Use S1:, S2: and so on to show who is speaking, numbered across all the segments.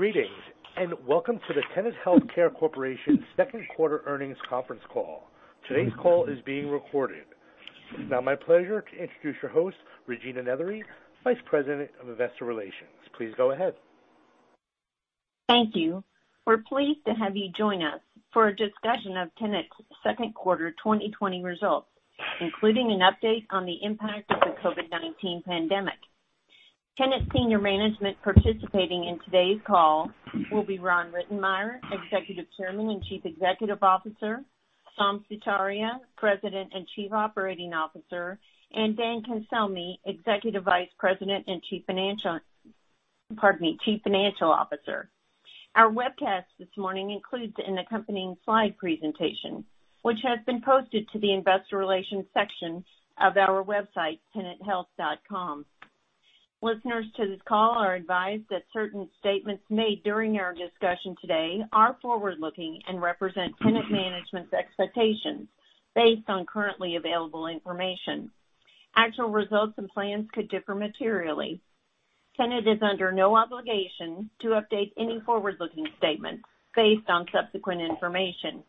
S1: Greetings, welcome to the Tenet Healthcare Corporation second quarter earnings conference call. Today's call is being recorded. It's now my pleasure to introduce your host, Regina Nethery, Vice President of Investor Relations. Please go ahead.
S2: Thank you. We're pleased to have you join us for a discussion of Tenet's second quarter 2020 results, including an update on the impact of the COVID-19 pandemic. Tenet senior management participating in today's call will be Ron Rittenmeyer, Executive Chairman and Chief Executive Officer, Saum Sutaria, President and Chief Operating Officer, and Daniel Cancelmi, Executive Vice President and Chief Financial Officer. Our webcast this morning includes an accompanying slide presentation, which has been posted to the investor relations section of our website, tenethealth.com. Listeners to this call are advised that certain statements made during our discussion today are forward-looking and represent Tenet management's expectations based on currently available information. Actual results and plans could differ materially. Tenet is under no obligation to update any forward-looking statements based on subsequent information.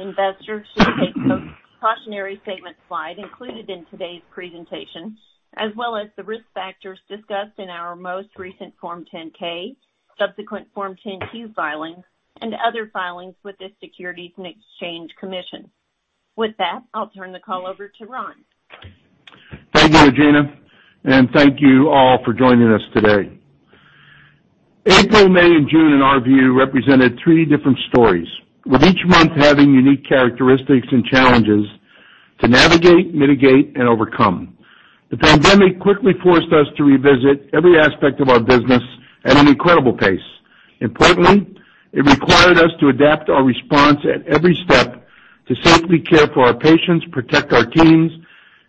S2: Investors should take the cautionary statement slide included in today's presentation, as well as the risk factors discussed in our most recent Form 10-K, subsequent Form 10-Q filings, and other filings with the Securities and Exchange Commission. With that, I'll turn the call over to Ron.
S3: Thank you, Regina, and thank you all for joining us today. April, May, and June, in our view, represented three different stories, with each month having unique characteristics and challenges to navigate, mitigate, and overcome. The pandemic quickly forced us to revisit every aspect of our business at an incredible pace. Importantly, it required us to adapt our response at every step to safely care for our patients, protect our teams,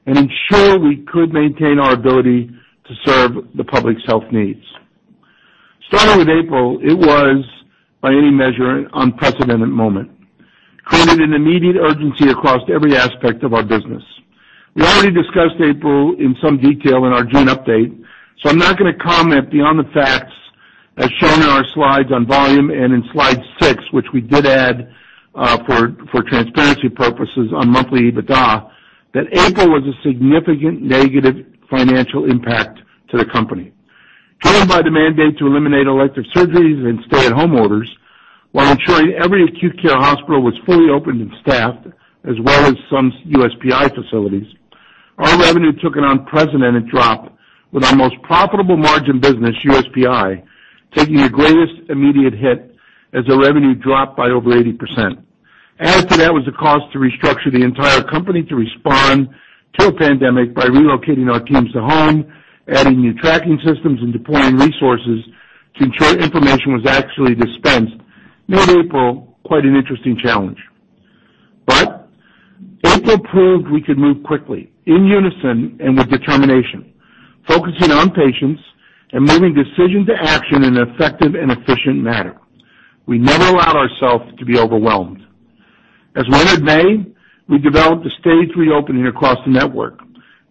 S3: and ensure we could maintain our ability to serve the public's health needs. Starting with April, it was, by any measure, an unprecedented moment, creating an immediate urgency across every aspect of our business. We already discussed April in some detail in our June update, so I'm not going to comment beyond the facts as shown in our slides on volume and in slide six, which we did add, for transparency purposes on monthly EBITDA, that April was a significant negative financial impact to the company. Driven by the mandate to eliminate elective surgeries and stay-at-home orders while ensuring every acute care hospital was fully opened and staffed, as well as some USPI facilities, our revenue took an unprecedented drop with our most profitable margin business, USPI, taking the greatest immediate hit as the revenue dropped by over 80%. Added to that was the cost to restructure the entire company to respond to a pandemic by relocating our teams to home, adding new tracking systems, and deploying resources to ensure information was actually dispensed, made April quite an interesting challenge. April proved we could move quickly, in unison and with determination, focusing on patients and moving decision to action in an effective and efficient manner. We never allowed ourselves to be overwhelmed. As we entered May, we developed a staged reopening across the network.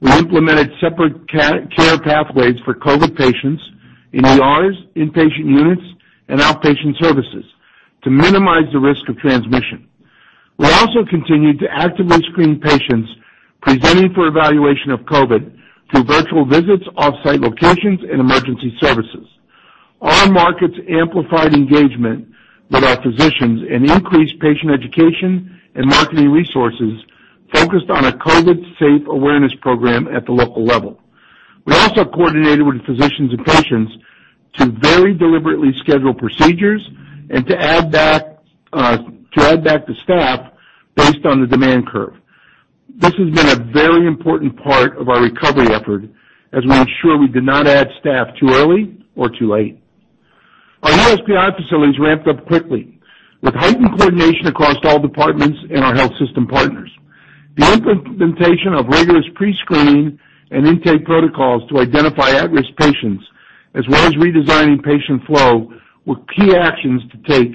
S3: We implemented separate care pathways for COVID patients in ERs, inpatient units, and outpatient services to minimize the risk of transmission. We also continued to actively screen patients presenting for evaluation of COVID through virtual visits, off-site locations, and emergency services. Our markets amplified engagement with our physicians and increased patient education and marketing resources focused on a COVID safe awareness program at the local level. We also coordinated with physicians and patients to very deliberately schedule procedures and to add back the staff based on the demand curve. This has been a very important part of our recovery effort as we ensure we did not add staff too early or too late. Our USPI facilities ramped up quickly with heightened coordination across all departments and our health system partners. The implementation of rigorous pre-screening and intake protocols to identify at-risk patients, as well as redesigning patient flow, were key actions to take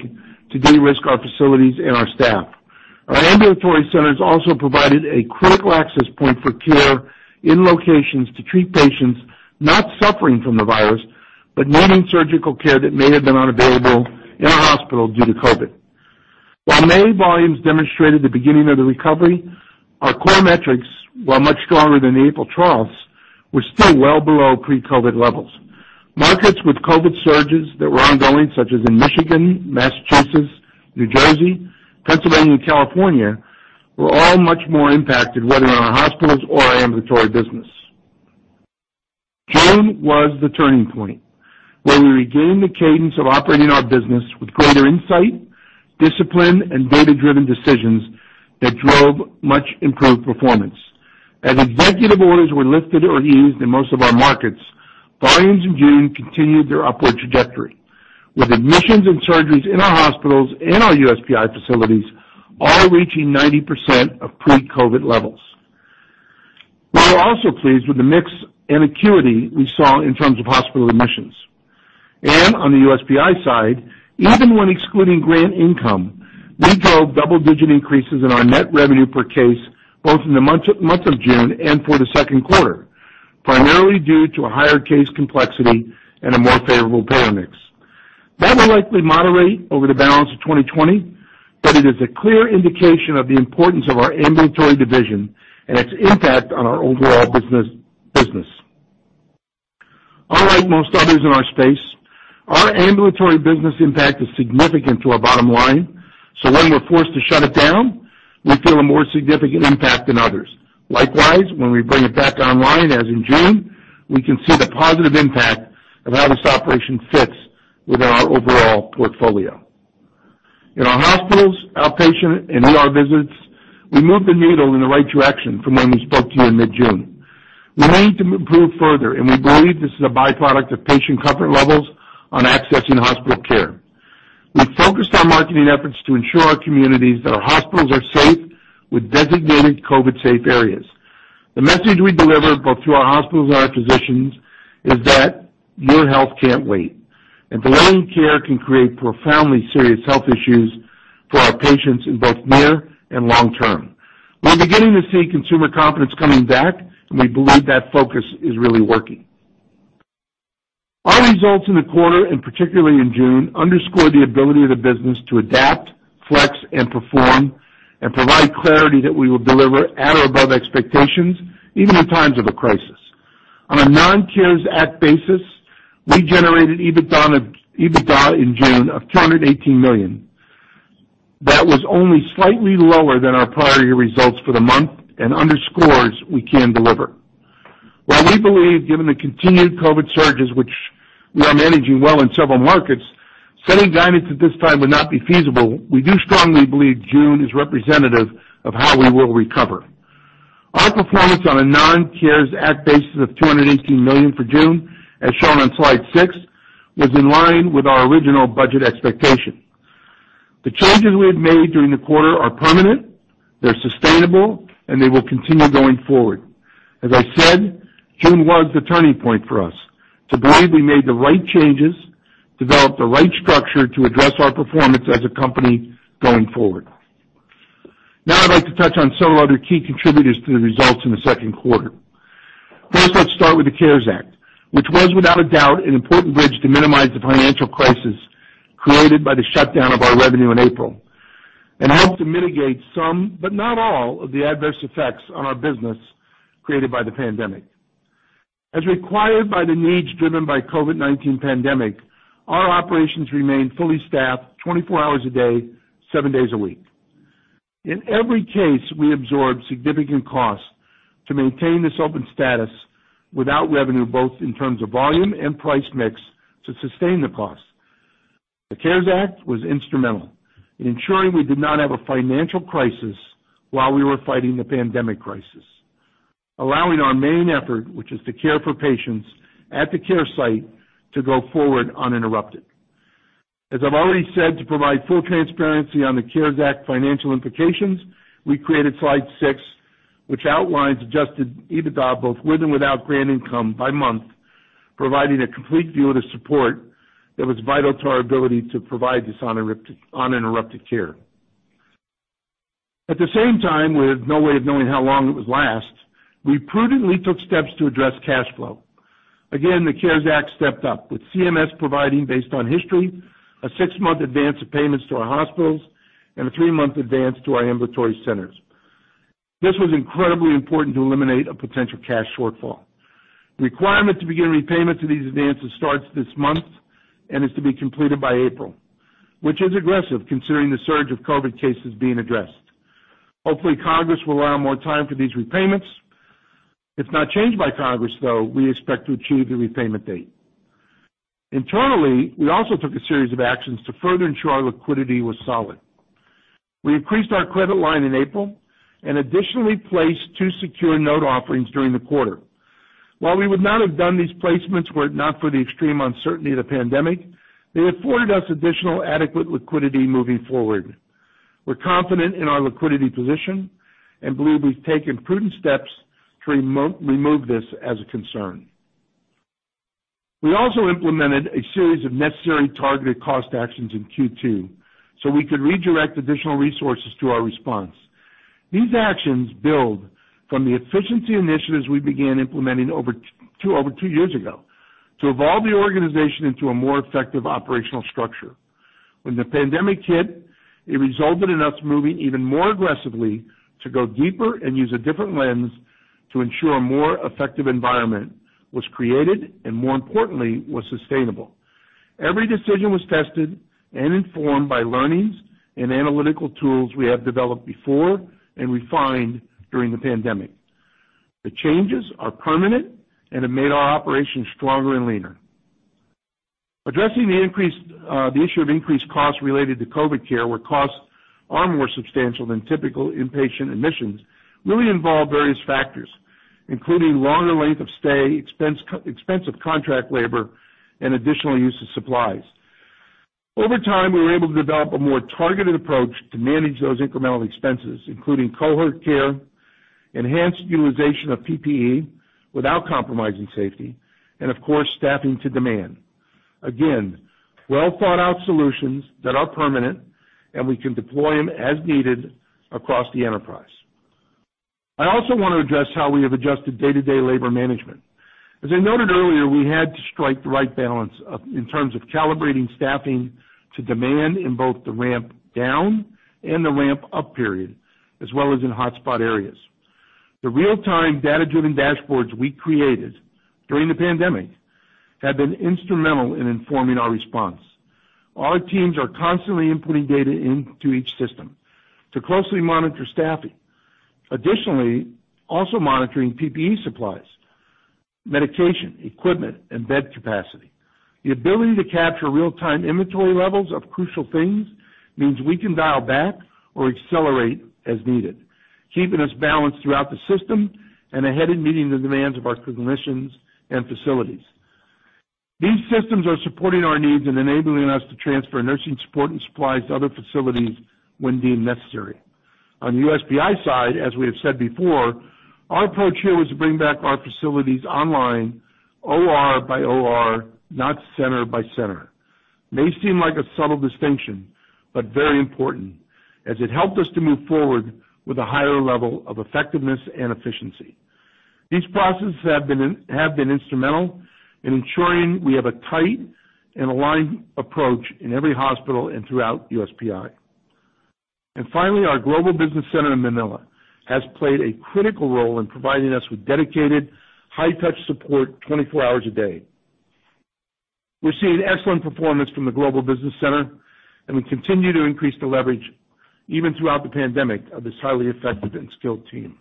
S3: to de-risk our facilities and our staff. Our ambulatory centers also provided a critical access point for care in locations to treat patients not suffering from the virus, but needing surgical care that may have been unavailable in a hospital due to COVID. While May volumes demonstrated the beginning of the recovery, our core metrics, while much stronger than the April troughs, were still well below pre-COVID levels. Markets with COVID surges that were ongoing, such as in Michigan, Massachusetts, New Jersey, Pennsylvania, and California, were all much more impacted, whether in our hospitals or our ambulatory business. June was the turning point, where we regained the cadence of operating our business with greater insight, discipline, and data-driven decisions that drove much improved performance. As executive orders were lifted or eased in most of our markets, volumes in June continued their upward trajectory, with admissions and surgeries in our hospitals and our USPI facilities all reaching 90% of pre-COVID levels. We were also pleased with the mix and acuity we saw in terms of hospital admissions. On the USPI side, even when excluding grant income, we drove double-digit increases in our net revenue per case, both in the month of June and for the second quarter. Primarily due to a higher case complexity and a more favorable payer mix. That will likely moderate over the balance of 2020, but it is a clear indication of the importance of our ambulatory division and its impact on our overall business. Unlike most others in our space, our ambulatory business impact is significant to our bottom line, so when we're forced to shut it down, we feel a more significant impact than others. Likewise, when we bring it back online, as in June, we can see the positive impact of how this operation fits within our overall portfolio. In our hospitals, outpatient, and ER visits, we moved the needle in the right direction from when we spoke to you in mid-June. We need to improve further, and we believe this is a byproduct of patient comfort levels on accessing hospital care. We focused our marketing efforts to ensure our communities that our hospitals are safe with designated COVID-19 safe areas. The message we deliver, both through our hospitals and our physicians, is that your health can't wait, and delaying care can create profoundly serious health issues for our patients in both near and long term. We're beginning to see consumer confidence coming back, and we believe that focus is really working. Our results in the quarter, and particularly in June, underscore the ability of the business to adapt, flex, and perform, and provide clarity that we will deliver at or above expectations, even in times of a crisis. On a non-CARES Act basis, we generated EBITDA in June of $218 million. That was only slightly lower than our prior year results for the month and underscores we can deliver. While we believe, given the continued COVID surges, which we are managing well in several markets, setting guidance at this time would not be feasible, we do strongly believe June is representative of how we will recover. Our performance on a non-CARES Act basis of $218 million for June, as shown on slide six, was in line with our original budget expectation. The changes we have made during the quarter are permanent, they're sustainable, and they will continue going forward. As I said, June was the turning point for us to believe we made the right changes, developed the right structure to address our performance as a company going forward. Now I'd like to touch on several other key contributors to the results in the second quarter. First, let's start with the CARES Act, which was without a doubt an important bridge to minimize the financial crisis created by the shutdown of our revenue in April, and helped to mitigate some, but not all, of the adverse effects on our business created by the pandemic. As required by the needs driven by COVID-19 pandemic, our operations remained fully staffed 24 hours a day, seven days a week. In every case, we absorbed significant costs to maintain this open status without revenue, both in terms of volume and price mix to sustain the cost. The CARES Act was instrumental in ensuring we did not have a financial crisis while we were fighting the pandemic crisis, allowing our main effort, which is to care for patients at the care site, to go forward uninterrupted. As I've already said, to provide full transparency on the CARES Act financial implications, we created slide six, which outlines Adjusted EBITDA both with and without grant income by month, providing a complete view of the support that was vital to our ability to provide this uninterrupted care. At the same time, with no way of knowing how long it would last, we prudently took steps to address cash flow. Again, the CARES Act stepped up, with CMS providing, based on history, a six-month advance of payments to our hospitals and a three-month advance to our ambulatory centers. This was incredibly important to eliminate a potential cash shortfall. The requirement to begin repayment to these advances starts this month and is to be completed by April, which is aggressive considering the surge of COVID cases being addressed. Hopefully, Congress will allow more time for these repayments. If not changed by Congress, though, we expect to achieve the repayment date. Internally, we also took a series of actions to further ensure our liquidity was solid. We increased our credit line in April and additionally placed two secured note offerings during the quarter. While we would not have done these placements were it not for the extreme uncertainty of the pandemic, they afforded us additional adequate liquidity moving forward. We're confident in our liquidity position and believe we've taken prudent steps to remove this as a concern. We also implemented a series of necessary targeted cost actions in Q2 so we could redirect additional resources to our response. These actions build from the efficiency initiatives we began implementing over two years ago to evolve the organization into a more effective operational structure. When the pandemic hit, it resulted in us moving even more aggressively to go deeper and use a different lens to ensure a more effective environment was created, and more importantly, was sustainable. Every decision was tested and informed by learnings and analytical tools we have developed before and refined during the pandemic. The changes are permanent and have made our operations stronger and leaner. Addressing the issue of increased costs related to COVID care, where costs are more substantial than typical inpatient admissions, really involve various factors, including longer length of stay, expensive contract labor, and additional use of supplies. Over time, we were able to develop a more targeted approach to manage those incremental expenses, including cohort care, enhanced utilization of PPE without compromising safety, and of course, staffing to demand. Well-thought-out solutions that are permanent, and we can deploy them as needed across the enterprise. I also want to address how we have adjusted day-to-day labor management. As I noted earlier, we had to strike the right balance in terms of calibrating staffing to demand in both the ramp down and the ramp up period, as well as in hotspot areas. The real-time data-driven dashboards we created during the pandemic have been instrumental in informing our response. Our teams are constantly inputting data into each system to closely monitor staffing. Also monitoring PPE supplies, medication, equipment, and bed capacity. The ability to capture real-time inventory levels of crucial things means we can dial back or accelerate as needed, keeping us balanced throughout the system and ahead in meeting the demands of our clinicians and facilities. These systems are supporting our needs and enabling us to transfer nursing support and supplies to other facilities when deemed necessary. On the USPI side, as we have said before, our approach here was to bring back our facilities online OR by OR, not center by center. May seem like a subtle distinction, but very important, as it helped us to move forward with a higher level of effectiveness and efficiency. These processes have been instrumental in ensuring we have a tight and aligned approach in every hospital and throughout USPI. Finally, our global business center in Manila has played a critical role in providing us with dedicated high-touch support 24 hours a day. We're seeing excellent performance from the global business center, and we continue to increase the leverage even throughout the pandemic of this highly effective and skilled team.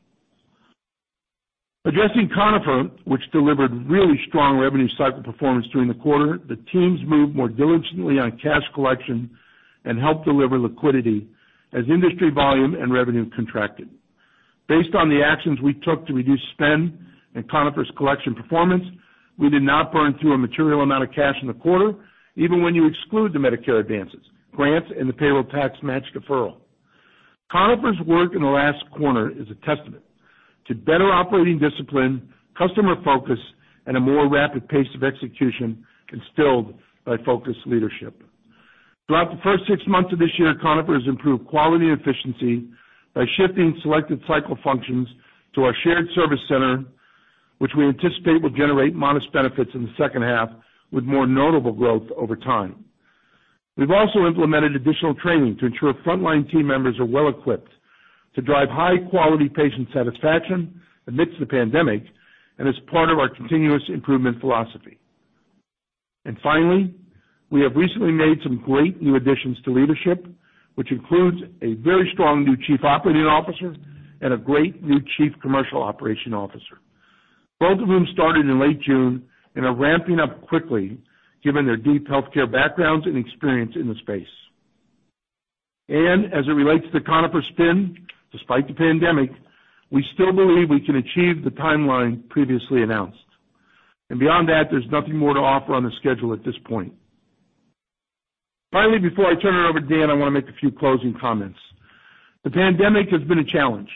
S3: Addressing Conifer, which delivered really strong revenue cycle performance during the quarter, the teams moved more diligently on cash collection and helped deliver liquidity as industry volume and revenue contracted. Based on the actions we took to reduce spend and Conifer's collection performance, we did not burn through a material amount of cash in the quarter, even when you exclude the Medicare advances, grants, and the payroll tax match deferral. Conifer's work in the last quarter is a testament to better operating discipline, customer focus, and a more rapid pace of execution instilled by focused leadership. Throughout the first six months of this year, Conifer has improved quality and efficiency by shifting selected cycle functions to our shared service center, which we anticipate will generate modest benefits in the second half with more notable growth over time. As part of our continuous improvement philosophy, we've also implemented additional training to ensure frontline team members are well-equipped to drive high-quality patient satisfaction amidst the pandemic. Finally, we have recently made some great new additions to leadership, which includes a very strong new Chief Operating Officer and a great new Chief Commercial Operation Officer. Both of whom started in late June and are ramping up quickly given their deep healthcare backgrounds and experience in the space. As it relates to Conifer spin, despite the pandemic, we still believe we can achieve the timeline previously announced. Beyond that, there's nothing more to offer on the schedule at this point. Finally, before I turn it over to Dan, I want to make a few closing comments. The pandemic has been a challenge,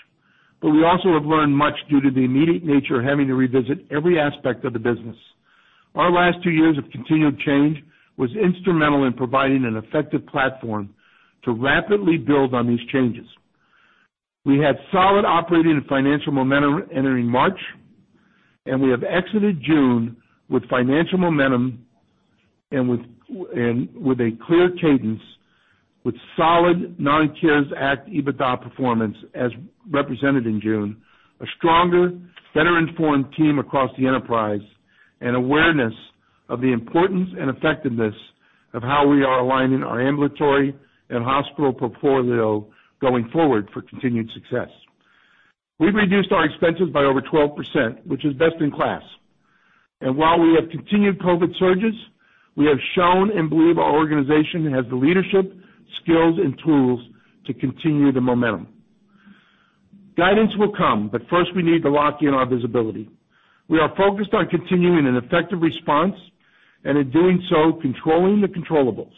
S3: but we also have learned much due to the immediate nature of having to revisit every aspect of the business. Our last two years of continued change was instrumental in providing an effective platform to rapidly build on these changes. We had solid operating and financial momentum entering March, and we have exited June with financial momentum and with a clear cadence with solid non-CARES Act EBITDA performance as represented in June. A stronger, better-informed team across the enterprise, and awareness of the importance and effectiveness of how we are aligning our ambulatory and hospital portfolio going forward for continued success. We've reduced our expenses by over 12%, which is best in class. While we have continued COVID surges, we have shown and believe our organization has the leadership, skills, and tools to continue the momentum. Guidance will come, but first we need to lock in our visibility. We are focused on continuing an effective response, and in doing so, controlling the controllables.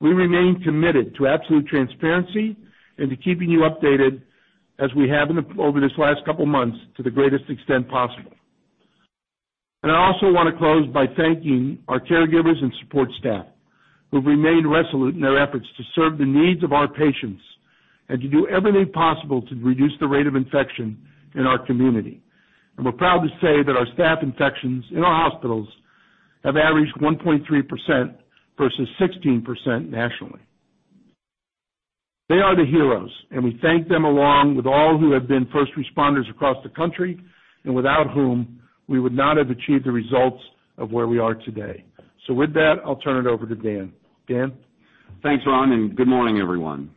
S3: We remain committed to absolute transparency and to keeping you updated as we have over these last couple of months to the greatest extent possible. I also want to close by thanking our caregivers and support staff, who've remained resolute in their efforts to serve the needs of our patients and to do everything possible to reduce the rate of infection in our community. We're proud to say that our staff infections in our hospitals have averaged 1.3% versus 16% nationally. They are the heroes. We thank them along with all who have been first responders across the country, without whom we would not have achieved the results of where we are today. With that, I'll turn it over to Dan. Dan?
S4: Thanks, Ron, and good morning, everyone.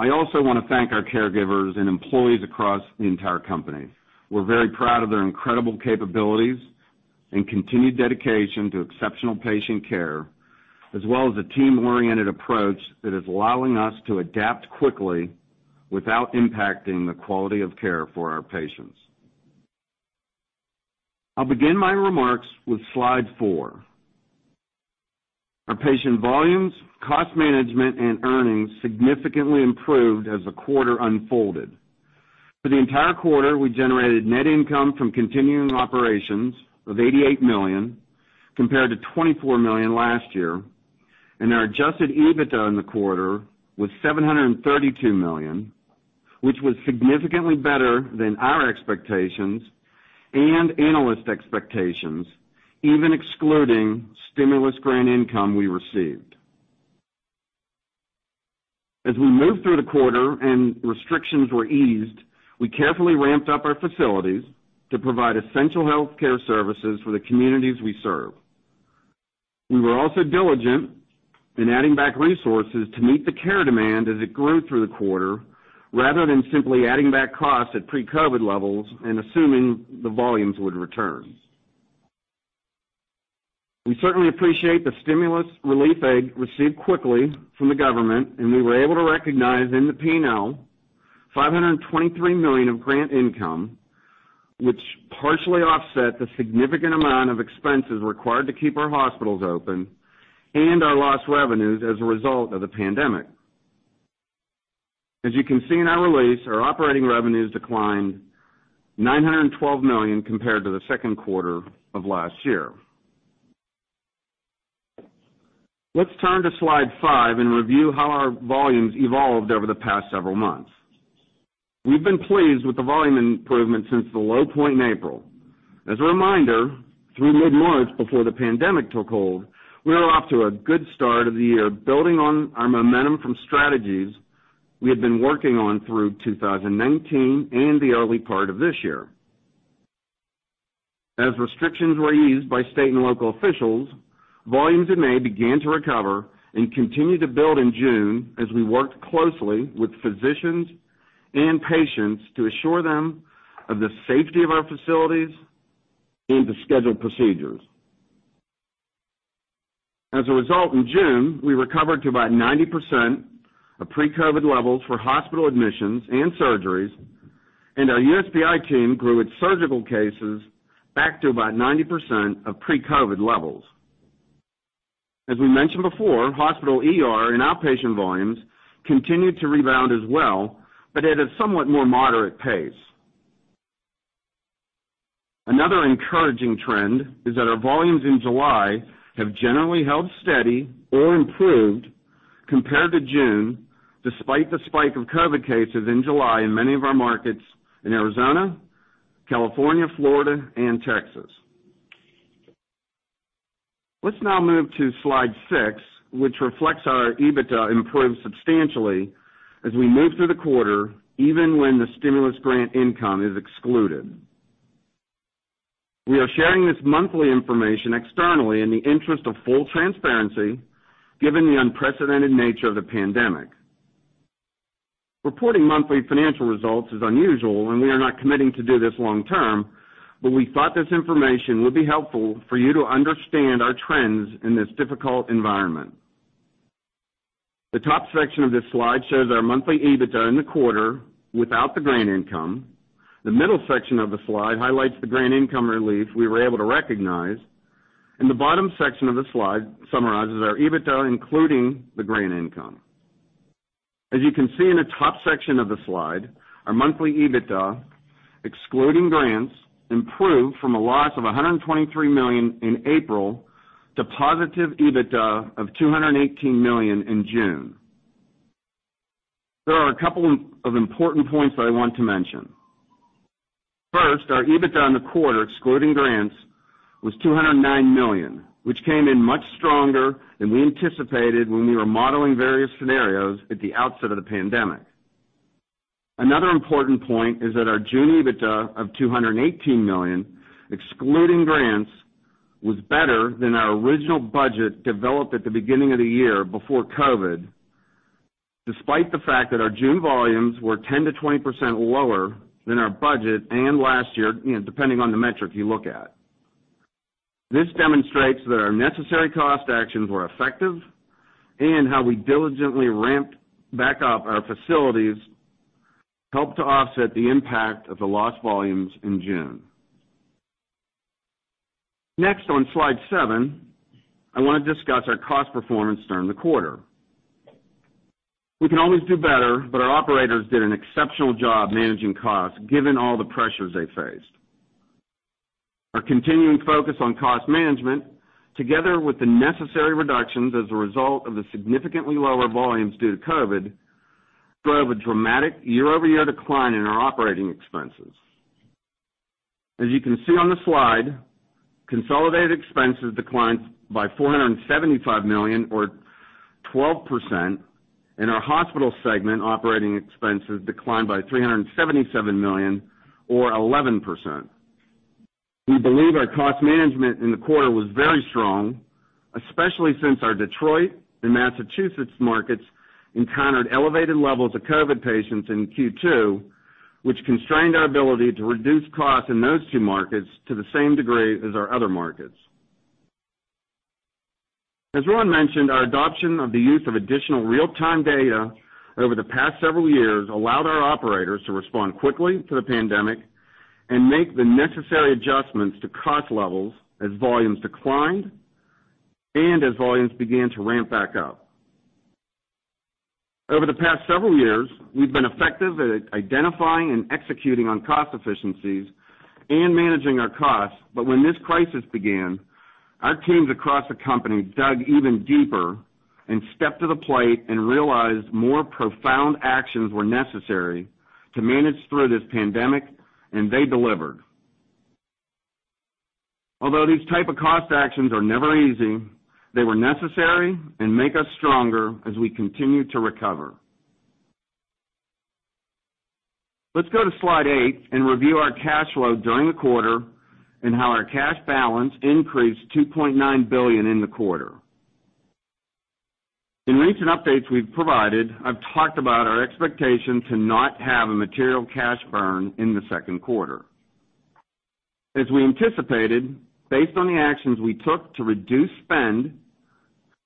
S4: I also want to thank our caregivers and employees across the entire company. We're very proud of their incredible capabilities and continued dedication to exceptional patient care, as well as a team-oriented approach that is allowing us to adapt quickly without impacting the quality of care for our patients. I'll begin my remarks with slide four. Our patient volumes, cost management, and earnings significantly improved as the quarter unfolded. For the entire quarter, we generated net income from continuing operations of $88 million, compared to $24 million last year, and our Adjusted EBITDA in the quarter was $732 million, which was significantly better than our expectations and analyst expectations, even excluding stimulus grant income we received. As we moved through the quarter and restrictions were eased, we carefully ramped up our facilities to provide essential healthcare services for the communities we serve. We were also diligent in adding back resources to meet the care demand as it grew through the quarter, rather than simply adding back costs at pre-COVID levels and assuming the volumes would return. We certainly appreciate the stimulus relief aid received quickly from the government, we were able to recognize in the P&L $523 million of grant income, which partially offset the significant amount of expenses required to keep our hospitals open and our lost revenues as a result of the pandemic. As you can see in our release, our operating revenues declined $912 million compared to the second quarter of last year. Let's turn to slide five and review how our volumes evolved over the past several months. We've been pleased with the volume improvement since the low point in April. As a reminder, through mid-March, before the pandemic took hold, we were off to a good start of the year, building on our momentum from strategies we had been working on through 2019 and the early part of this year. As restrictions were eased by state and local officials, volumes in May began to recover and continued to build in June as we worked closely with physicians and patients to assure them of the safety of our facilities and to schedule procedures. As a result, in June, we recovered to about 90% of pre-COVID levels for hospital admissions and surgeries, and our USPI team grew its surgical cases back to about 90% of pre-COVID levels. As we mentioned before, hospital ER and outpatient volumes continued to rebound as well, but at a somewhat more moderate pace. Another encouraging trend is that our volumes in July have generally held steady or improved compared to June, despite the spike of COVID cases in July in many of our markets in Arizona, California, Florida, and Texas. Let's now move to slide six, which reflects our EBITDA improved substantially as we moved through the quarter, even when the stimulus grant income is excluded. We are sharing this monthly information externally in the interest of full transparency, given the unprecedented nature of the pandemic. Reporting monthly financial results is unusual, and we are not committing to do this long term, but we thought this information would be helpful for you to understand our trends in this difficult environment. The top section of this slide shows our monthly EBITDA in the quarter without the grant income. The middle section of the slide highlights the grant income relief we were able to recognize. The bottom section of the slide summarizes our EBITDA, including the grant income. As you can see in the top section of the slide, our monthly EBITDA, excluding grants, improved from a loss of $123 million in April to positive EBITDA of $218 million in June. There are a couple of important points that I want to mention. First, our EBITDA in the quarter, excluding grants, was $209 million, which came in much stronger than we anticipated when we were modeling various scenarios at the outset of the pandemic. Another important point is that our June EBITDA of $218 million, excluding grants, was better than our original budget developed at the beginning of the year before COVID, despite the fact that our June volumes were 10%-20% lower than our budget and last year, depending on the metric you look at. This demonstrates that our necessary cost actions were effective and how we diligently ramped back up our facilities helped to offset the impact of the lost volumes in June. Next, on slide seven, I want to discuss our cost performance during the quarter. We can always do better, but our operators did an exceptional job managing costs given all the pressures they faced. Our continuing focus on cost management, together with the necessary reductions as a result of the significantly lower volumes due to COVID-19, drove a dramatic YoY decline in our operating expenses. As you can see on the slide, consolidated expenses declined by $475 million or 12%, and our hospital segment operating expenses declined by $377 million or 11%. We believe our cost management in the quarter was very strong, especially since our Detroit and Massachusetts markets encountered elevated levels of COVID patients in Q2, which constrained our ability to reduce costs in those two markets to the same degree as our other markets. As Ron mentioned, our adoption of the use of additional real-time data over the past several years allowed our operators to respond quickly to the pandemic. Make the necessary adjustments to cost levels as volumes declined and as volumes began to ramp back up. Over the past several years, we've been effective at identifying and executing on cost efficiencies and managing our costs. When this crisis began, our teams across the company dug even deeper and stepped to the plate and realized more profound actions were necessary to manage through this pandemic. They delivered. Although these type of cost actions are never easy, they were necessary and make us stronger as we continue to recover. Let's go to slide eight and review our cash flow during the quarter and how our cash balance increased $2.9 billion in the quarter. In recent updates we've provided, I've talked about our expectation to not have a material cash burn in the second quarter. As we anticipated, based on the actions we took to reduce spend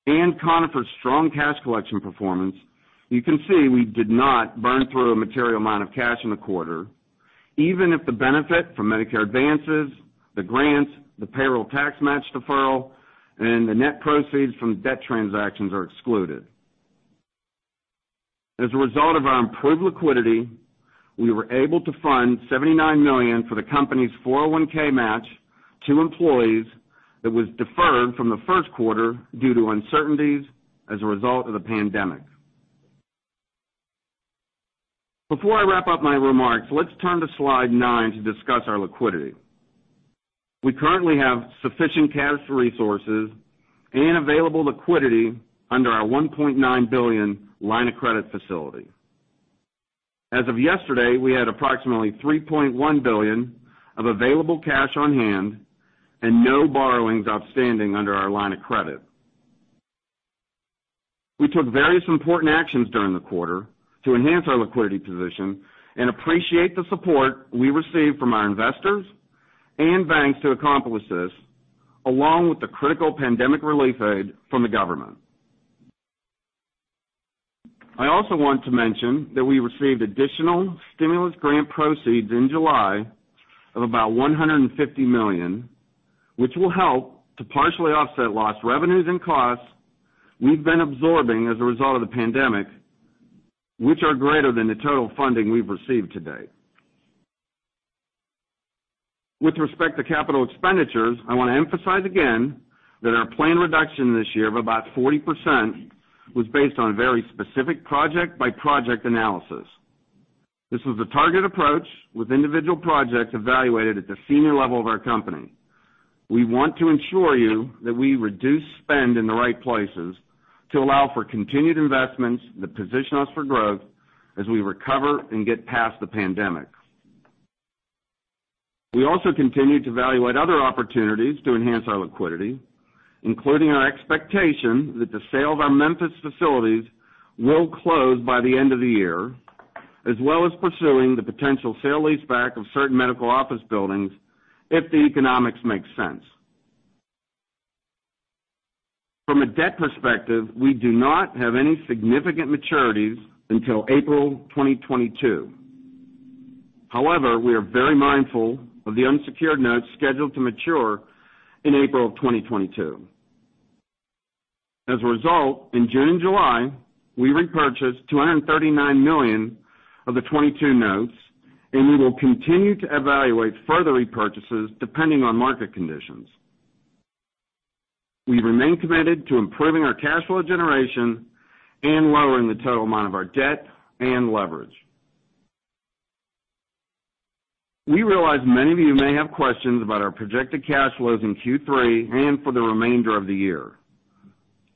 S4: and Conifer's strong cash collection performance, you can see we did not burn through a material amount of cash in the quarter, even if the benefit from Medicare advances, the grants, the payroll tax match deferral, and the net proceeds from debt transactions are excluded. As a result of our improved liquidity, we were able to fund $79 million for the company's 401(k) match to employees that was deferred from the first quarter due to uncertainties as a result of the pandemic. Before I wrap up my remarks, let's turn to slide nine to discuss our liquidity. We currently have sufficient cash resources and available liquidity under our $1.9 billion line of credit facility. As of yesterday, we had approximately $3.1 billion of available cash on hand and no borrowings outstanding under our line of credit. We took various important actions during the quarter to enhance our liquidity position and appreciate the support we received from our investors and banks to accomplish this, along with the critical pandemic relief aid from the government. I also want to mention that we received additional stimulus grant proceeds in July of about $150 million, which will help to partially offset lost revenues and costs we've been absorbing as a result of the pandemic, which are greater than the total funding we've received to date. With respect to capital expenditures, I want to emphasize again that our planned reduction this year of about 40% was based on a very specific project-by-project analysis. This was a targeted approach with individual projects evaluated at the senior level of our company. We want to ensure you that we reduce spend in the right places to allow for continued investments that position us for growth as we recover and get past the pandemic. We also continue to evaluate other opportunities to enhance our liquidity, including our expectation that the sale of our Memphis facilities will close by the end of the year, as well as pursuing the potential sale leaseback of certain medical office buildings if the economics make sense. From a debt perspective, we do not have any significant maturities until April 2022. However, we are very mindful of the unsecured notes scheduled to mature in April of 2022. As a result, in June and July, we repurchased $239 million of the '22 notes, and we will continue to evaluate further repurchases depending on market conditions. We remain committed to improving our cash flow generation and lowering the total amount of our debt and leverage. We realize many of you may have questions about our projected cash flows in Q3 and for the remainder of the year.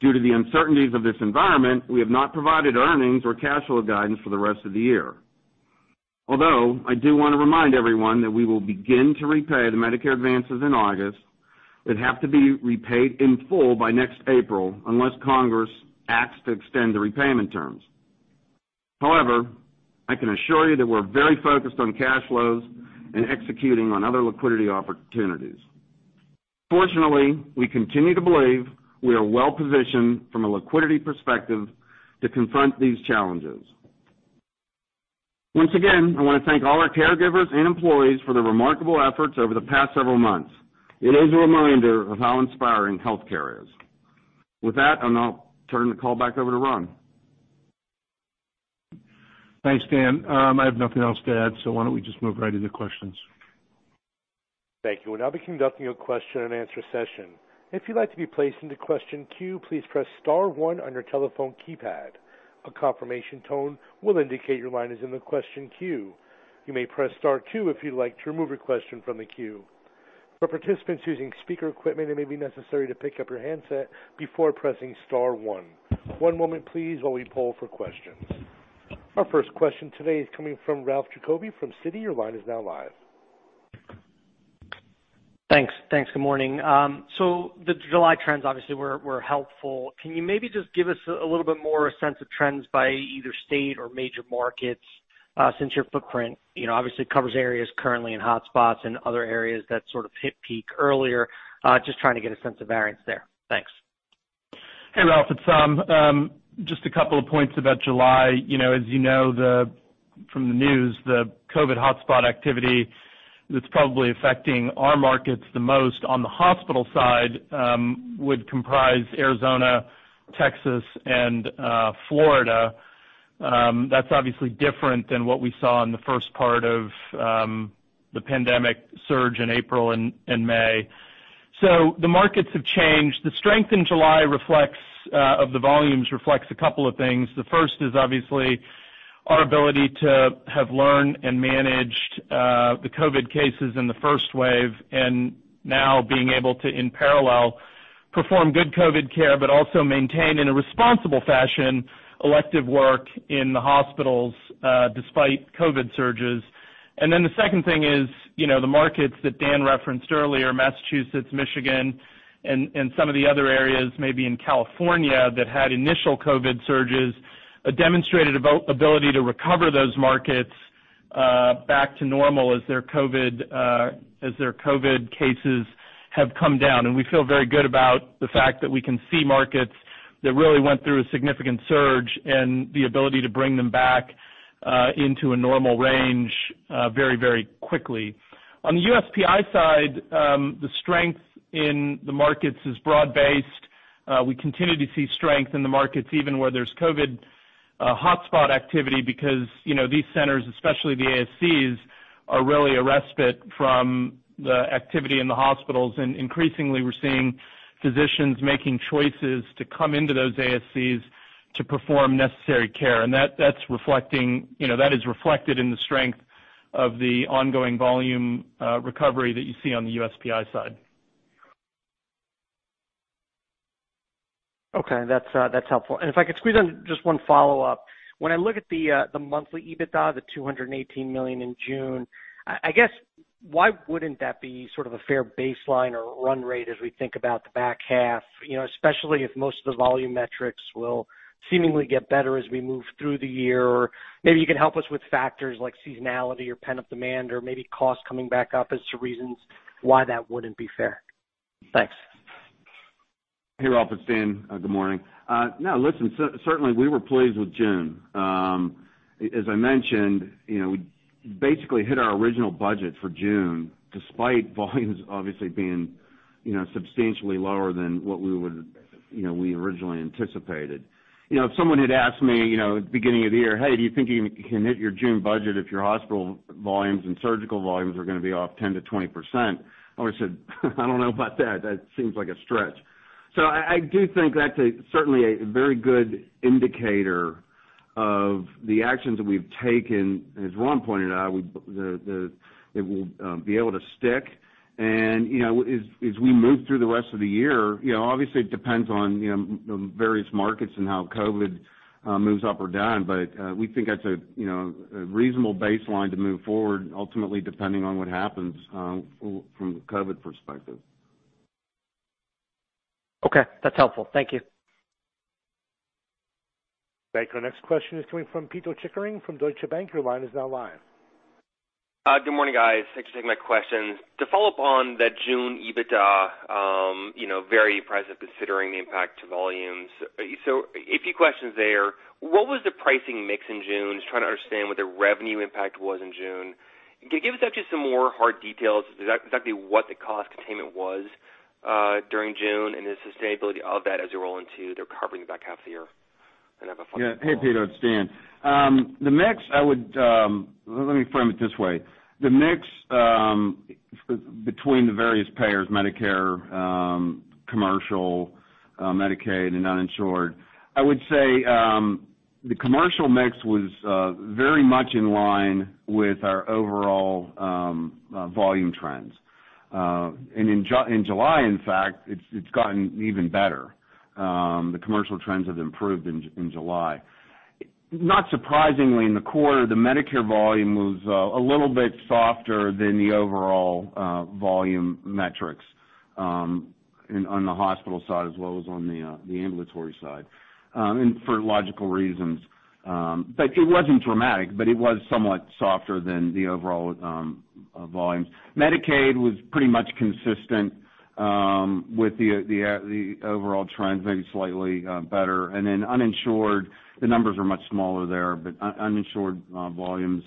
S4: Due to the uncertainties of this environment, we have not provided earnings or cash flow guidance for the rest of the year. Although, I do want to remind everyone that we will begin to repay the Medicare advances in August that have to be repaid in full by next April, unless Congress acts to extend the repayment terms. However, I can assure you that we're very focused on cash flows and executing on other liquidity opportunities. Fortunately, we continue to believe we are well-positioned from a liquidity perspective to confront these challenges. Once again, I want to thank all our caregivers and employees for their remarkable efforts over the past several months. It is a reminder of how inspiring healthcare is. With that, I'll now turn the call back over to Ron.
S3: Thanks, Dan. I have nothing else to add, so why don't we just move right into questions?
S1: Thank you. We'll now be conducting a question and answer session. If you'd like to be placed into question queue, please press star one on your telephone keypad. A confirmation tone will indicate your line is in the question queue. You may press star two if you'd like to remove your question from the queue. For participants using speaker equipment, it may be necessary to pick up your handset before pressing star one. One moment, please, while we poll for questions. Our first question today is coming from Ralph Giacobbe from Citi. Your line is now live.
S5: Thanks. Good morning. The July trends obviously were helpful. Can you maybe just give us a little bit more sense of trends by either state or major markets? Since your footprint obviously covers areas currently in hotspots and other areas that sort of hit peak earlier. Just trying to get a sense of variance there. Thanks.
S6: Hey, Ralph, it's Saum. Just a couple of points about July. As you know from the news, the COVID hotspot activity that's probably affecting our markets the most on the hospital side would comprise Arizona, Texas, and Florida. That's obviously different than what we saw in the first part of the pandemic surge in April and May. The markets have changed. The strength in July of the volumes reflects a couple of things. The first is obviously our ability to have learned and managed the COVID cases in the first wave, and now being able to, in parallel, perform good COVID care, but also maintain, in a responsible fashion, elective work in the hospitals, despite COVID surges. The second thing is, the markets that Dan referenced earlier, Massachusetts, Michigan, and some of the other areas, maybe in California, that had initial COVID surges, a demonstrated ability to recover those markets back to normal as their COVID cases have come down. We feel very good about the fact that we can see markets that really went through a significant surge and the ability to bring them back into a normal range very quickly. On the USPI side, the strength in the markets is broad-based. We continue to see strength in the markets even where there's COVID hotspot activity because these centers, especially the ASCs, are really a respite from the activity in the hospitals. Increasingly, we're seeing physicians making choices to come into those ASCs to perform necessary care. That is reflected in the strength of the ongoing volume recovery that you see on the USPI side.
S5: Okay. That's helpful. If I could squeeze in just one follow-up. When I look at the monthly EBITDA, the $218 million in June, I guess, why wouldn't that be sort of a fair baseline or run rate as we think about the back half, especially if most of the volume metrics will seemingly get better as we move through the year? Or maybe you can help us with factors like seasonality or pent-up demand or maybe cost coming back up as to reasons why that wouldn't be fair. Thanks.
S4: Ralph, it's Dan. Good morning. Listen, certainly, we were pleased with June. As I mentioned, we basically hit our original budget for June, despite volumes obviously being substantially lower than what we originally anticipated. If someone had asked me at the beginning of the year, "Hey, do you think you can hit your June budget if your hospital volumes and surgical volumes are going to be off 10%-20%?" I would have said "I don't know about that. That seems like a stretch." I do think that's certainly a very good indicator of the actions that we've taken. As Ron pointed out, it will be able to stick. As we move through the rest of the year, obviously, it depends on the various markets and how COVID-19 moves up or down. We think that's a reasonable baseline to move forward, ultimately, depending on what happens from the COVID perspective.
S5: Okay. That's helpful. Thank you.
S1: Thank you. Our next question is coming from Pito Chickering from Deutsche Bank. Your line is now live.
S7: Good morning, guys. Thanks for taking my questions. To follow up on that June EBITDA, very impressive considering the impact to volumes. A few questions there. What was the pricing mix in June? Just trying to understand what the revenue impact was in June. Can you give us actually some more hard details exactly what the cost containment was during June and the sustainability of that as you roll into the recovery back half of the year? I have a follow-up.
S4: Yeah. Hi, Pito, it's Dan. Let me frame it this way. The mix between the various payers, Medicare, commercial, Medicaid, and uninsured, I would say the commercial mix was very much in line with our overall volume trends. In July, in fact, it's gotten even better. The commercial trends have improved in July. Not surprisingly, in the quarter, the Medicare volume was a little bit softer than the overall volume metrics on the hospital side as well as on the ambulatory side, and for logical reasons. It wasn't dramatic, but it was somewhat softer than the overall volumes. Medicaid was pretty much consistent with the overall trends, maybe slightly better. Uninsured, the numbers are much smaller there, but uninsured volumes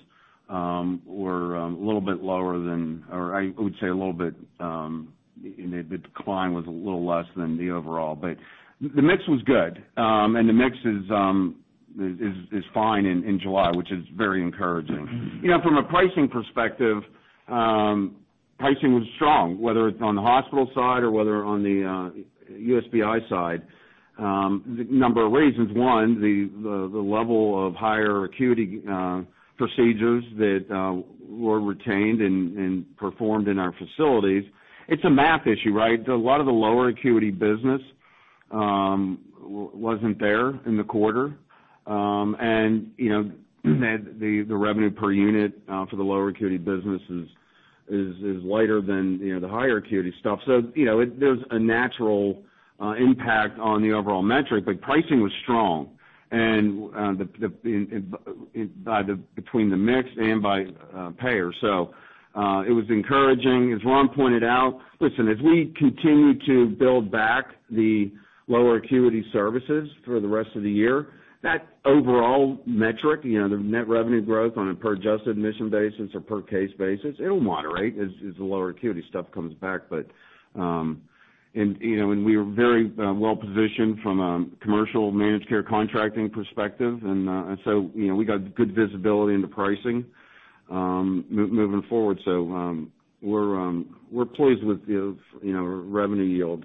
S4: were a little bit lower than, or I would say the decline was a little less than the overall. The mix was good. The mix is fine in July, which is very encouraging. From a pricing perspective, pricing was strong, whether it's on the hospital side or whether on the USPI side. Number of reasons. One, the level of higher acuity procedures that were retained and performed in our facilities. It's a math issue, right? A lot of the lower acuity business wasn't there in the quarter. The revenue per unit for the lower acuity business is lighter than the higher acuity stuff. There's a natural impact on the overall metric, but pricing was strong. Between the mix and by payer, it was encouraging. As Ron pointed out, listen, as we continue to build back the lower acuity services for the rest of the year, that overall metric, the net revenue growth on a per adjusted admission basis or per case basis, it'll moderate as the lower acuity stuff comes back. We are very well-positioned from a commercial managed care contracting perspective. We got good visibility into pricing, moving forward. We're pleased with the revenue yield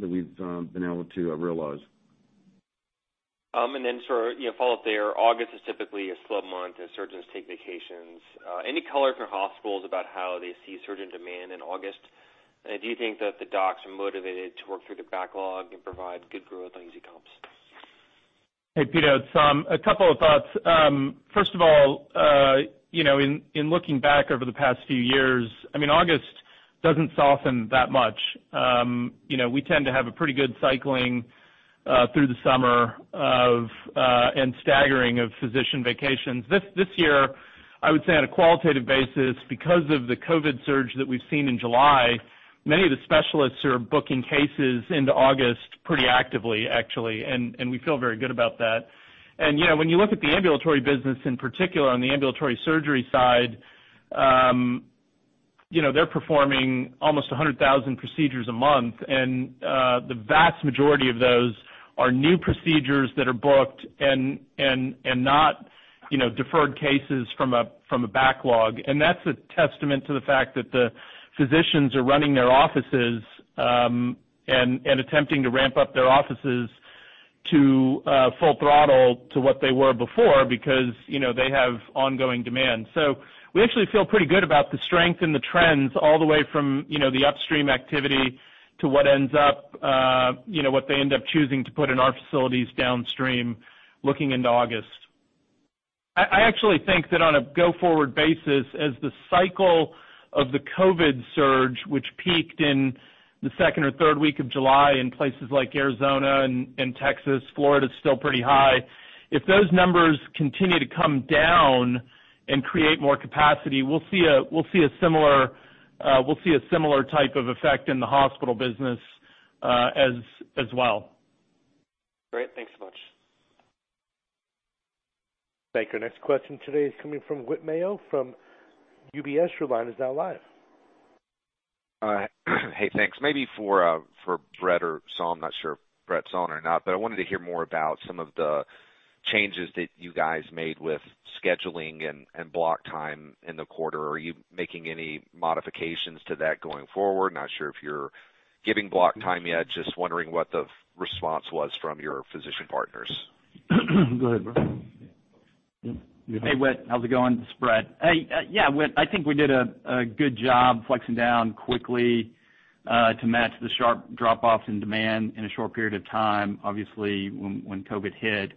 S4: that we've been able to realize.
S7: Then sort of follow-up there, August is typically a slow month as surgeons take vacations. Any color from hospitals about how they see surgeon demand in August? Do you think that the docs are motivated to work through the backlog and provide good growth on POP?
S6: Hey, Pito. It's a couple of thoughts. First of all, in looking back over the past few years, August doesn't soften that much. We tend to have a pretty good cycling through the summer and staggering of physician vacations. This year, I would say on a qualitative basis, because of the COVID surge that we've seen in July, many of the specialists are booking cases into August pretty actively, actually. We feel very good about that. When you look at the ambulatory business in particular, on the ambulatory surgery side, they're performing almost 100,000 procedures a month. The vast majority of those are new procedures that are booked and not deferred cases from a backlog. That's a testament to the fact that the physicians are running their offices and attempting to ramp up their offices to full throttle to what they were before because they have ongoing demand. We actually feel pretty good about the strength and the trends all the way from the upstream activity to what they end up choosing to put in our facilities downstream looking into August. I actually think that on a go-forward basis, as the cycle of the COVID surge, which peaked in the second or third week of July in places like Arizona and Texas, Florida's still pretty high. If those numbers continue to come down and create more capacity, we'll see a similar type of effect in the hospital business as well.
S7: Great. Thanks so much.
S1: Thank you. Next question today is coming from Whit Mayo from UBS. Your line is now live.
S8: Hey, thanks. Maybe for Brett or Saum, not sure if Brett's on or not, but I wanted to hear more about some of the changes that you guys made with scheduling and block time in the quarter. Are you making any modifications to that going forward? Not sure if you're giving block time yet. Just wondering what the response was from your physician partners.
S4: Go ahead, Brett.
S9: Hey, Whit. How's it going? It's Brett. Hey, yeah, Whit, I think we did a good job flexing down quickly to match the sharp drop-off in demand in a short period of time. Obviously, when COVID hit,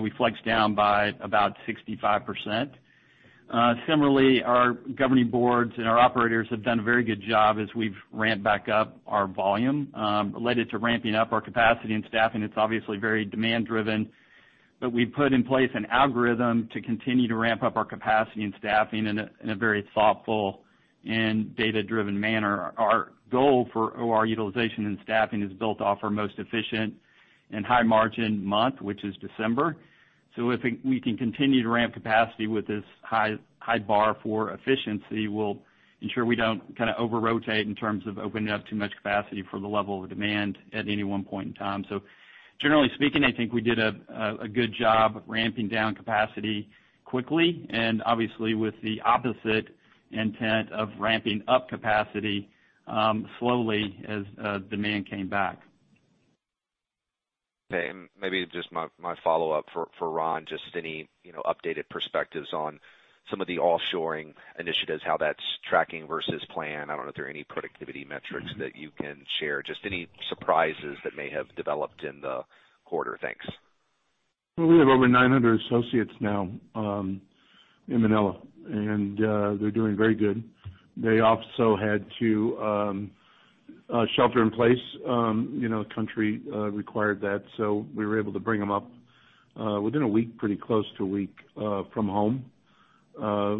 S9: we flexed down by about 65%. Similarly, our governing boards and our operators have done a very good job as we've ramped back up our volume related to ramping up our capacity and staffing. It's obviously very demand-driven, but we put in place an algorithm to continue to ramp up our capacity and staffing in a very thoughtful and data-driven manner. Our goal for OR utilization and staffing is built off our most efficient and high-margin month, which is December. If we can continue to ramp capacity with this high bar for efficiency, we'll ensure we don't kind of over-rotate in terms of opening up too much capacity for the level of demand at any one point in time. Generally speaking, I think we did a good job ramping down capacity quickly and obviously with the opposite intent of ramping up capacity slowly as demand came back.
S8: Okay. Maybe just my follow-up for Ron, just any updated perspectives on some of the offshoring initiatives, how that's tracking versus plan. I don't know if there are any productivity metrics that you can share. Just any surprises that may have developed in the quarter. Thanks.
S3: Well, we have over 900 associates now in Manila, and they're doing very good. They also had to shelter in place. The country required that. We were able to bring them up within a week, pretty close to a week, from home.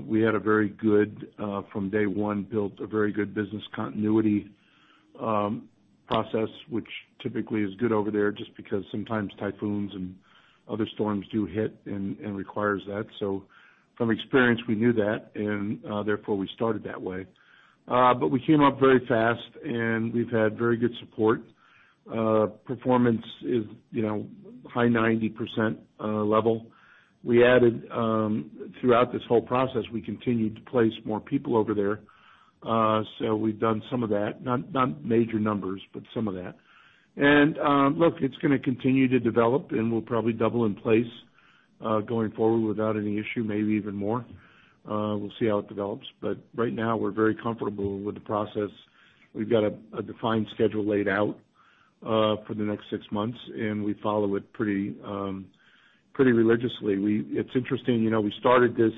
S3: We had a very good, from day one, built a very good business continuity process, which typically is good over there just because sometimes typhoons and other storms do hit and requires that. From experience, we knew that, and therefore we started that way. We came up very fast, and we've had very good support. Performance is high 90% level. We added, throughout this whole process, we continued to place more people over there. We've done some of that. Not major numbers, but some of that. Look, it's going to continue to develop, and we'll probably double in place going forward without any issue, maybe even more. We'll see how it develops. Right now, we're very comfortable with the process. We've got a defined schedule laid out for the next six months, and we follow it pretty religiously. It's interesting, we started this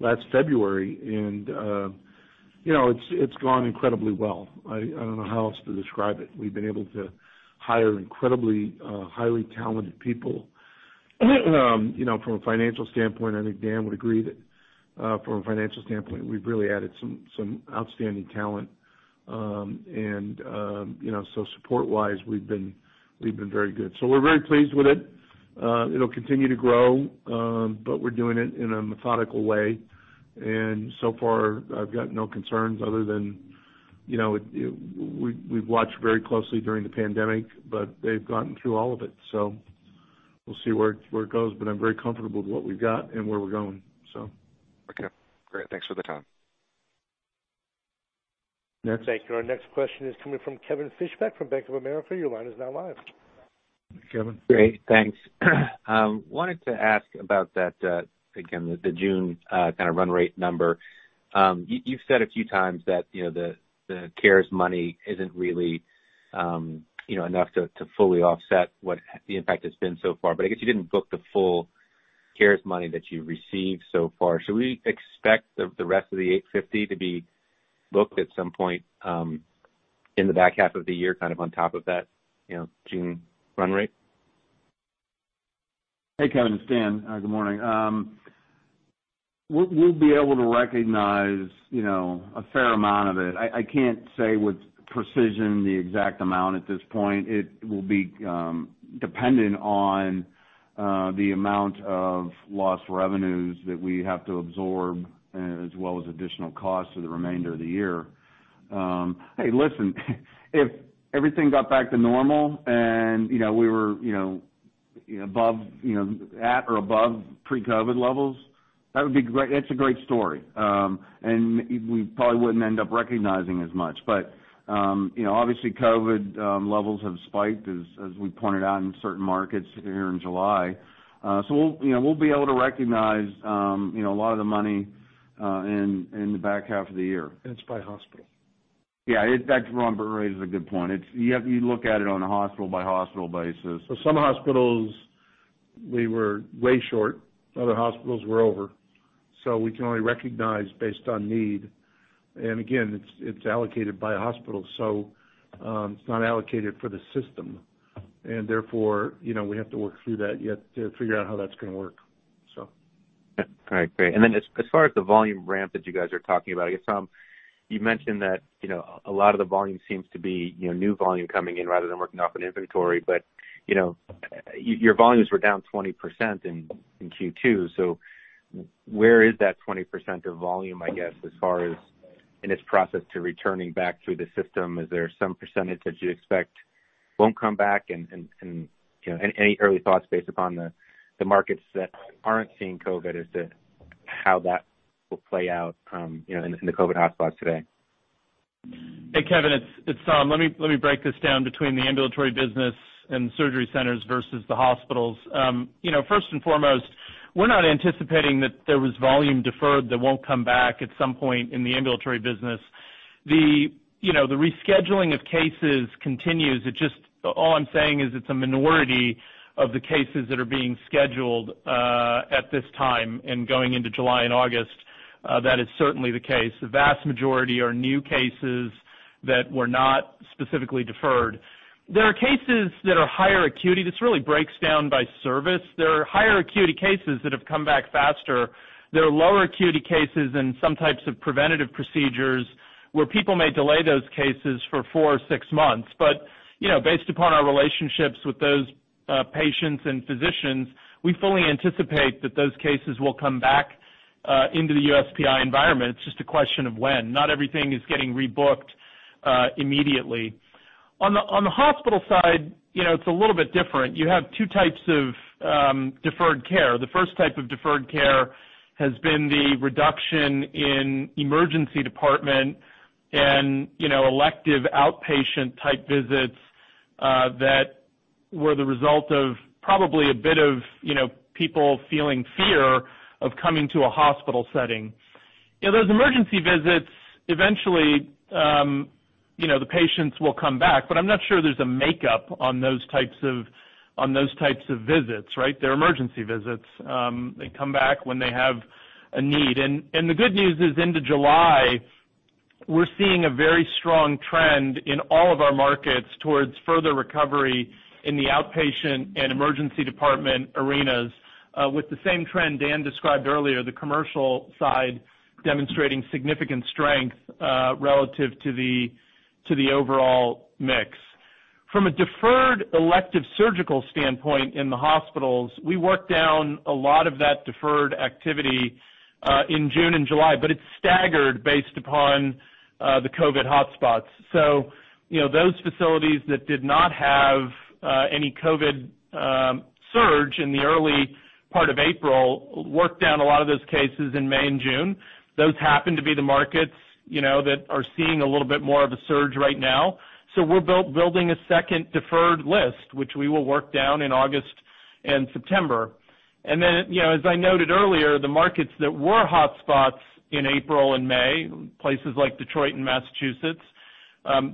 S3: last February. It's gone incredibly well. I don't know how else to describe it. We've been able to hire incredibly highly talented people. From a financial standpoint, I think Dan would agree that from a financial standpoint, we've really added some outstanding talent. Support-wise, we've been very good. We're very pleased with it. It'll continue to grow, but we're doing it in a methodical way. So far, I've got no concerns other than we've watched very closely during the pandemic, but they've gotten through all of it. We'll see where it goes, but I'm very comfortable with what we've got and where we're going.
S8: Okay, great. Thanks for the time.
S4: Next.
S1: Thank you. Our next question is coming from Kevin Fischbeck from Bank of America. Your line is now live.
S4: Kevin.
S10: Great. Thanks. Wanted to ask about that, again, the June run rate number. You've said a few times that the CARES money isn't really enough to fully offset what the impact has been so far. I guess you didn't book the full CARES money that you've received so far. Should we expect the rest of the $850 to be booked at some point in the back half of the year on top of that June run rate?
S4: Hey, Kevin, it's Dan. Good morning. We'll be able to recognize a fair amount of it. I can't say with precision the exact amount at this point. It will be dependent on the amount of lost revenues that we have to absorb, as well as additional costs for the remainder of the year. Hey, listen, if everything got back to normal and we were at or above pre-COVID levels, that's a great story. We probably wouldn't end up recognizing as much. Obviously COVID levels have spiked, as we pointed out in certain markets here in July. We'll be able to recognize a lot of the money in the back half of the year.
S3: It's by hospital.
S4: Yeah. In fact, Ron brought up a good point. You look at it on a hospital-by-hospital basis.
S3: Some hospitals, we were way short, other hospitals were over. We can only recognize based on need. Again, it's allocated by hospital. It's not allocated for the system. Therefore, we have to work through that yet to figure out how that's going to work.
S10: All right, great. As far as the volume ramp that you guys are talking about, I guess, Saum, you mentioned that a lot of the volume seems to be new volume coming in rather than working off an inventory. Your volumes were down 20% in Q2. Where is that 20% of volume, I guess, as far as in its process to returning back through the system? Is there some percentage that you expect won't come back? Any early thoughts based upon the markets that aren't seeing COVID as to how that will play out in the COVID hotspots today?
S6: Hey, Kevin. It's Saum. Let me break this down between the ambulatory business and the surgery centers versus the hospitals. First and foremost, we're not anticipating that there was volume deferred that won't come back at some point in the ambulatory business. The rescheduling of cases continues. All I'm saying is it's a minority of the cases that are being scheduled at this time and going into July and August. That is certainly the case. The vast majority are new cases that were not specifically deferred. There are cases that are higher acuity. This really breaks down by service. There are higher acuity cases that have come back faster. There are lower acuity cases and some types of preventative procedures where people may delay those cases for four or six months. Based upon our relationships with those patients and physicians, we fully anticipate that those cases will come back into the USPI environment. It's just a question of when. Not everything is getting rebooked immediately. On the hospital side, it's a little bit different. You have two types of deferred care. The first type of deferred care has been the reduction in emergency department and elective outpatient type visits that were the result of probably a bit of people feeling fear of coming to a hospital setting. Those emergency visits, eventually the patients will come back, but I'm not sure there's a makeup on those types of visits, right? They're emergency visits. They come back when they have a need. The good news is into July, we're seeing a very strong trend in all of our markets towards further recovery in the outpatient and emergency department arenas with the same trend Dan described earlier, the commercial side demonstrating significant strength relative to the overall mix. From a deferred elective surgical standpoint in the hospitals, we worked down a lot of that deferred activity in June and July, but it's staggered based upon the COVID hotspots. Those facilities that did not have any COVID surge in the early part of April worked down a lot of those cases in May and June. Those happen to be the markets that are seeing a little bit more of a surge right now. We're building a second deferred list, which we will work down in August and September. As I noted earlier, the markets that were hotspots in April and May, places like Detroit and Massachusetts.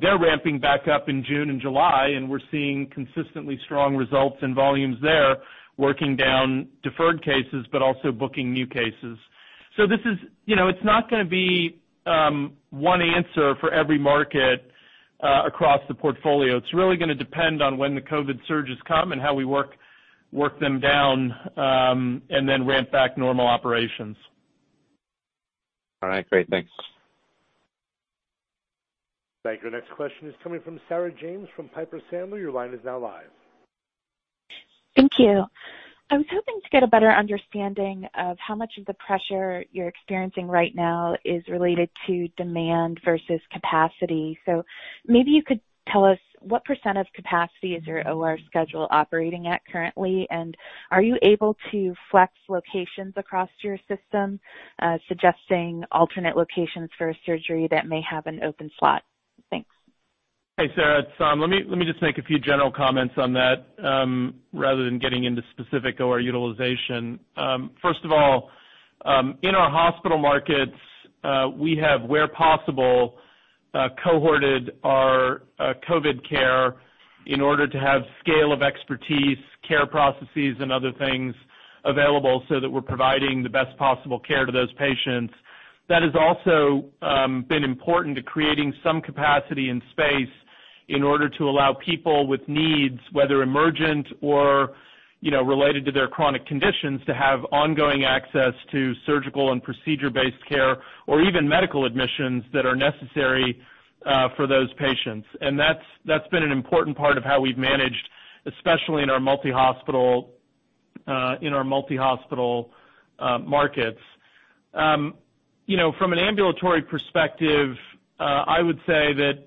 S6: They're ramping back up in June and July, and we're seeing consistently strong results and volumes there, working down deferred cases, but also booking new cases. It's not going to be one answer for every market across the portfolio. It's really going to depend on when the COVID surges come and how we work them down, and then ramp back normal operations.
S10: All right, great. Thanks.
S1: Thank you. Next question is coming from Sarah James from Piper Sandler. Your line is now live.
S11: Thank you. I was hoping to get a better understanding of how much of the pressure you're experiencing right now is related to demand versus capacity. Maybe you could tell us what percentage of capacity is your OR schedule operating at currently, and are you able to flex locations across your system, suggesting alternate locations for a surgery that may have an open slot? Thanks.
S6: Hey, Sarah, it's Saum. Let me just make a few general comments on that, rather than getting into specific OR utilization. First of all, in our hospital markets, we have, where possible, cohorted our COVID care in order to have scale of expertise, care processes, and other things available so that we're providing the best possible care to those patients. That has also been important to creating some capacity and space in order to allow people with needs, whether emergent or related to their chronic conditions, to have ongoing access to surgical and procedure-based care or even medical admissions that are necessary for those patients. That's been an important part of how we've managed, especially in our multi-hospital markets. From an ambulatory perspective, I would say that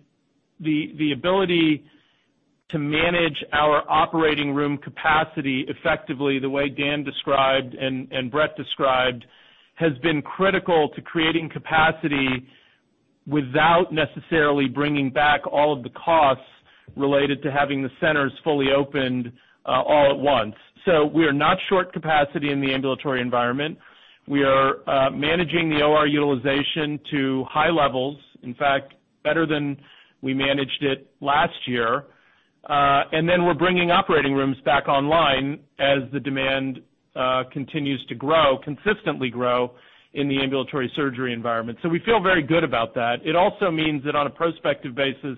S6: the ability to manage our operating room capacity effectively, the way Dan described and Brett described, has been critical to creating capacity without necessarily bringing back all of the costs related to having the centers fully opened all at once. We are not short capacity in the ambulatory environment. We are managing the OR utilization to high levels, in fact, better than we managed it last year. Then we're bringing operating rooms back online as the demand continues to grow, consistently grow, in the ambulatory surgery environment. We feel very good about that. It also means that on a prospective basis,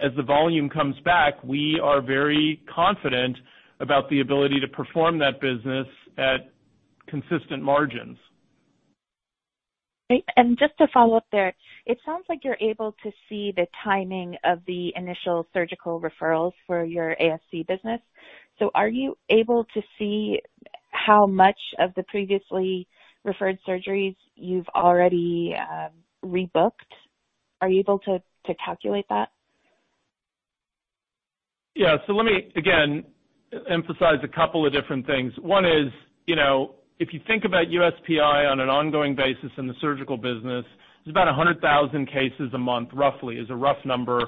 S6: as the volume comes back, we are very confident about the ability to perform that business at consistent margins.
S11: Great. Just to follow up there, it sounds like you're able to see the timing of the initial surgical referrals for your ASC business. Are you able to see how much of the previously referred surgeries you've already rebooked? Are you able to calculate that?
S6: Let me, again, emphasize a couple of different things. One is, if you think about USPI on an ongoing basis in the surgical business, it's about 100,000 cases a month, roughly. It's a rough number,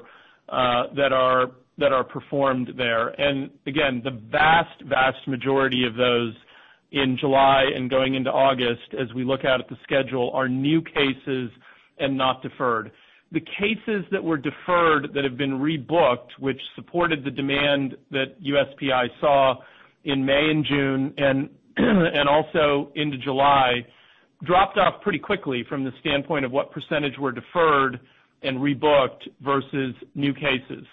S6: that are performed there. Again, the vast majority of those in July and going into August, as we look out at the schedule, are new cases and not deferred. The cases that were deferred that have been rebooked, which supported the demand that USPI saw in May and June, and also into July, dropped off pretty quickly from the standpoint of what percentage were deferred and rebooked versus new cases.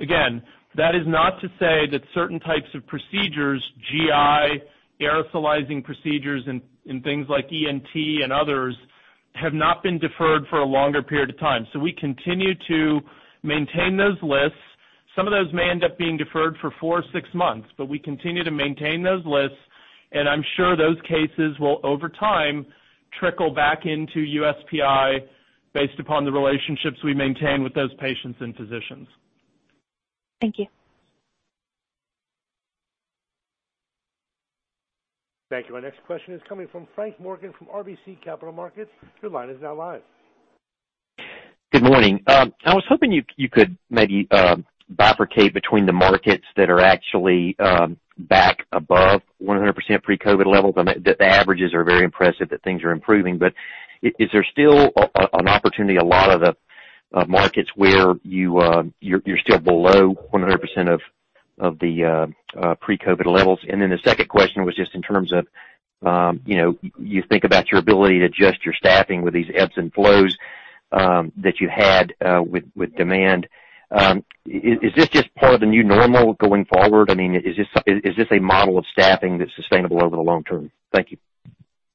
S6: Again, that is not to say that certain types of procedures, GI, aerosolizing procedures, and things like ENT and others, have not been deferred for a longer period of time. We continue to maintain those lists. Some of those may end up being deferred for four or six months, but we continue to maintain those lists, and I'm sure those cases will, over time, trickle back into USPI based upon the relationships we maintain with those patients and physicians.
S11: Thank you.
S1: Thank you. Our next question is coming from Frank Morgan from RBC Capital Markets. Your line is now live.
S12: Good morning. I was hoping you could maybe bifurcate between the markets that are actually back above 100% pre-COVID levels. The averages are very impressive that things are improving. Is there still an opportunity, a lot of the markets where you're still below 100% of the pre-COVID levels? The second question was just in terms of, you think about your ability to adjust your staffing with these ebbs and flows that you had with demand. Is this just part of the new normal going forward? Is this a model of staffing that's sustainable over the long term? Thank you.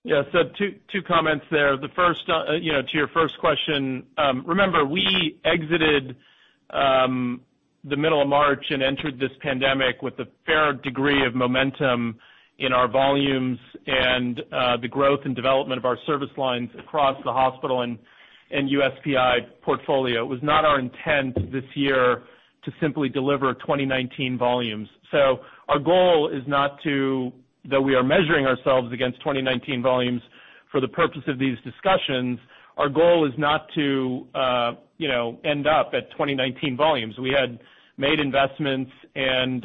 S6: Yeah. Two comments there. To your first question, remember, we exited the middle of March and entered this pandemic with a fair degree of momentum in our volumes and the growth and development of our service lines across the hospital and USPI portfolio. It was not our intent this year to simply deliver 2019 volumes. Though we are measuring ourselves against 2019 volumes for the purpose of these discussions, our goal is not to end up at 2019 volumes. We had made investments and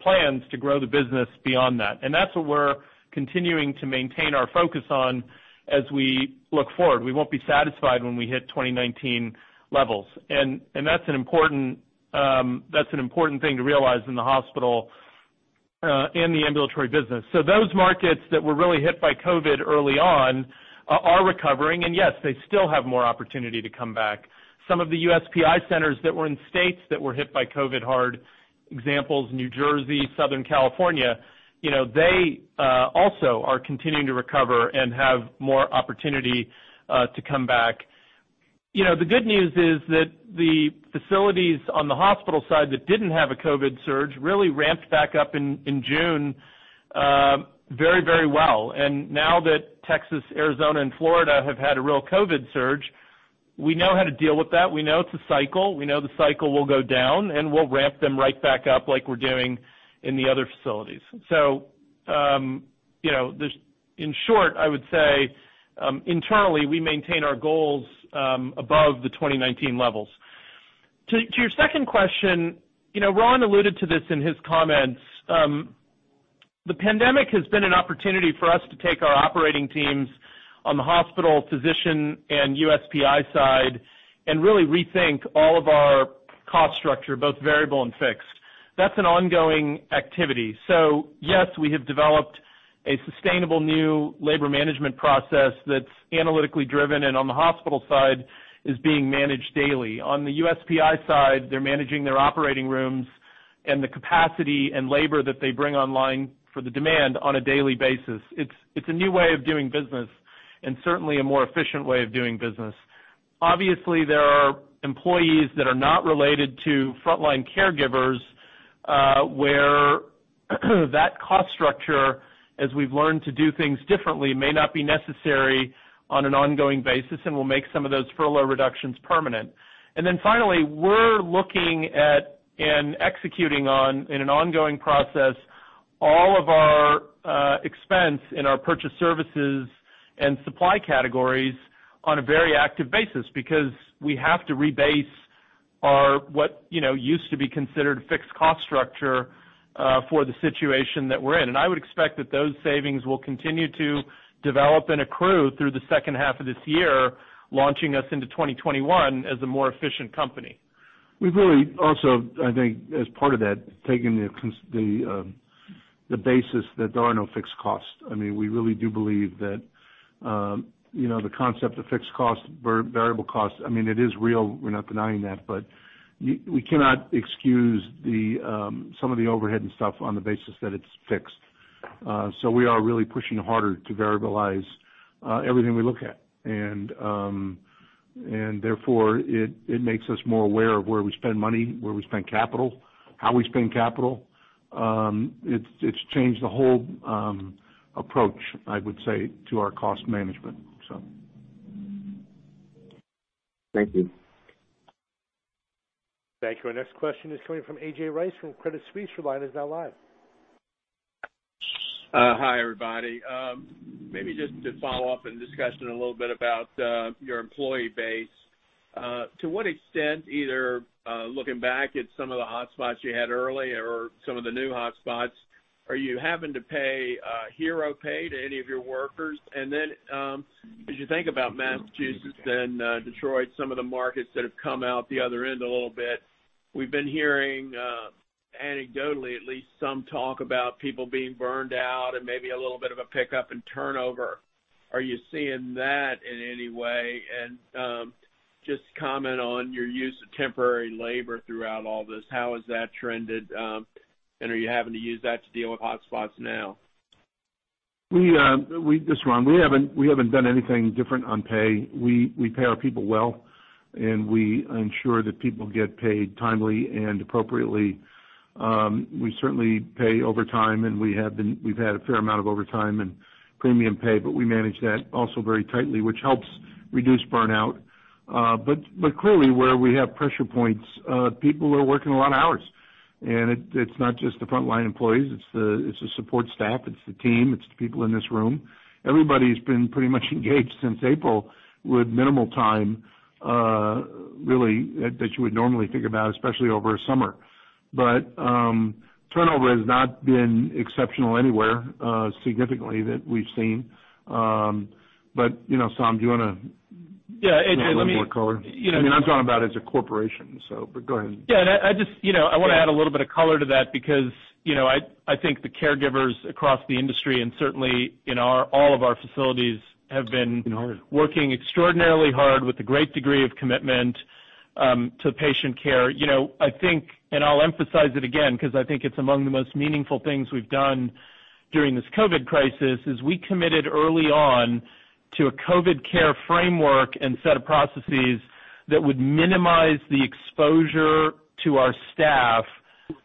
S6: plans to grow the business beyond that. That's what we're continuing to maintain our focus on as we look forward. We won't be satisfied when we hit 2019 levels. That's an important thing to realize in the hospital in the ambulatory business. Those markets that were really hit by COVID early on are recovering, and yes, they still have more opportunity to come back. Some of the USPI centers that were in states that were hit by COVID hard, examples, New Jersey, Southern California, they also are continuing to recover and have more opportunity to come back. The good news is that the facilities on the hospital side that didn't have a COVID surge really ramped back up in June very well. Now that Texas, Arizona, and Florida have had a real COVID surge, we know how to deal with that. We know it's a cycle. We know the cycle will go down, and we'll ramp them right back up like we're doing in the other facilities. In short, I would say, internally, we maintain our goals above the 2019 levels. To your second question, Ron alluded to this in his comments. The pandemic has been an opportunity for us to take our operating teams on the hospital, physician, and USPI side and really rethink all of our cost structure, both variable and fixed. That's an ongoing activity. Yes, we have developed a sustainable new labor management process that's analytically driven, and on the hospital side, is being managed daily. On the USPI side, they're managing their operating rooms and the capacity and labor that they bring online for the demand on a daily basis. It's a new way of doing business and certainly a more efficient way of doing business. Obviously, there are employees that are not related to frontline caregivers, where that cost structure, as we've learned to do things differently, may not be necessary on an ongoing basis, and we'll make some of those furlough reductions permanent. Finally, we're looking at and executing on, in an ongoing process, all of our expense in our purchase services and supply categories on a very active basis, because we have to rebase what used to be considered fixed cost structure for the situation that we're in. I would expect that those savings will continue to develop and accrue through the second half of this year, launching us into 2021 as a more efficient company.
S3: We've really also, I think, as part of that, taken the basis that there are no fixed costs. We really do believe that the concept of fixed costs, variable costs, it is real. We're not denying that, but we cannot excuse some of the overhead and stuff on the basis that it's fixed. We are really pushing harder to variabilize everything we look at. Therefore, it makes us more aware of where we spend money, where we spend capital, how we spend capital. It's changed the whole approach, I would say, to our cost management.
S12: Thank you.
S1: Thank you. Our next question is coming from A.J. Rice from Credit Suisse. Your line is now live.
S13: Hi, everybody. Maybe just to follow up in discussion a little bit about your employee base. To what extent, either looking back at some of the hotspots you had early or some of the new hotspots, are you having to pay hero pay to any of your workers? Then, as you think about Massachusetts and Detroit, some of the markets that have come out the other end a little bit, we've been hearing, anecdotally at least, some talk about people being burned out and maybe a little bit of a pickup in turnover. Are you seeing that in any way? Just comment on your use of temporary labor throughout all this. How has that trended? Are you having to use that to deal with hotspots now?
S3: This is Ron. We haven't done anything different on pay. We pay our people well, and we ensure that people get paid timely and appropriately. We certainly pay overtime, and we've had a fair amount of overtime and premium pay, but we manage that also very tightly, which helps reduce burnout. Clearly, where we have pressure points, people are working a lot of hours. It's not just the frontline employees, it's the support staff, it's the team, it's the people in this room. Everybody's been pretty much engaged since April with minimal time, really, that you would normally think about, especially over a summer. Turnover has not been exceptional anywhere, significantly that we've seen. Saum, do you want to-
S6: Yeah.
S3: Give a little more color? I'm talking about as a corporation. Go ahead.
S6: I want to add a little bit of color to that because, I think the caregivers across the industry, and certainly in all of our facilities, have been.
S3: Been hard.
S6: working extraordinarily hard with a great degree of commitment to patient care. I think, and I'll emphasize it again, because I think it's among the most meaningful things we've done during this COVID crisis, is we committed early on to a COVID care framework and set of processes that would minimize the exposure to our staff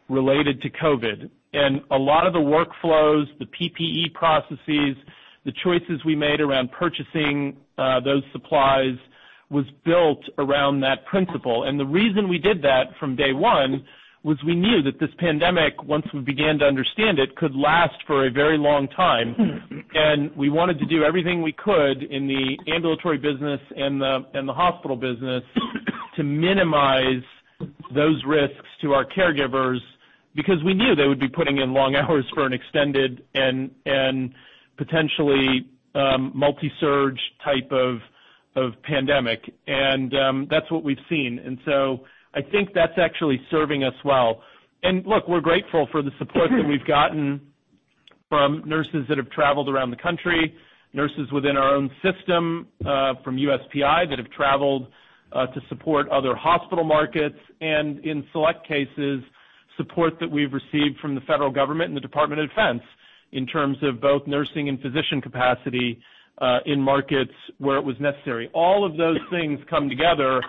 S6: related to COVID. And a lot of the workflows, the PPE processes, the choices we made around purchasing those supplies was built around that principle. The reason we did that from day one was we knew that this pandemic, once we began to understand it, could last for a very long time, and we wanted to do everything we could in the ambulatory business and the hospital business to minimize those risks to our caregivers because we knew they would be putting in long hours for an extended and potentially multi-surge type of pandemic, and that's what we've seen. I think that's actually serving us well. Look, we're grateful for the support that we've gotten from nurses that have traveled around the country, nurses within our own system, from USPI that have traveled to support other hospital markets, and in select cases, support that we've received from the federal government and the Department of Defense in terms of both nursing and physician capacity, in markets where it was necessary. All of those things come together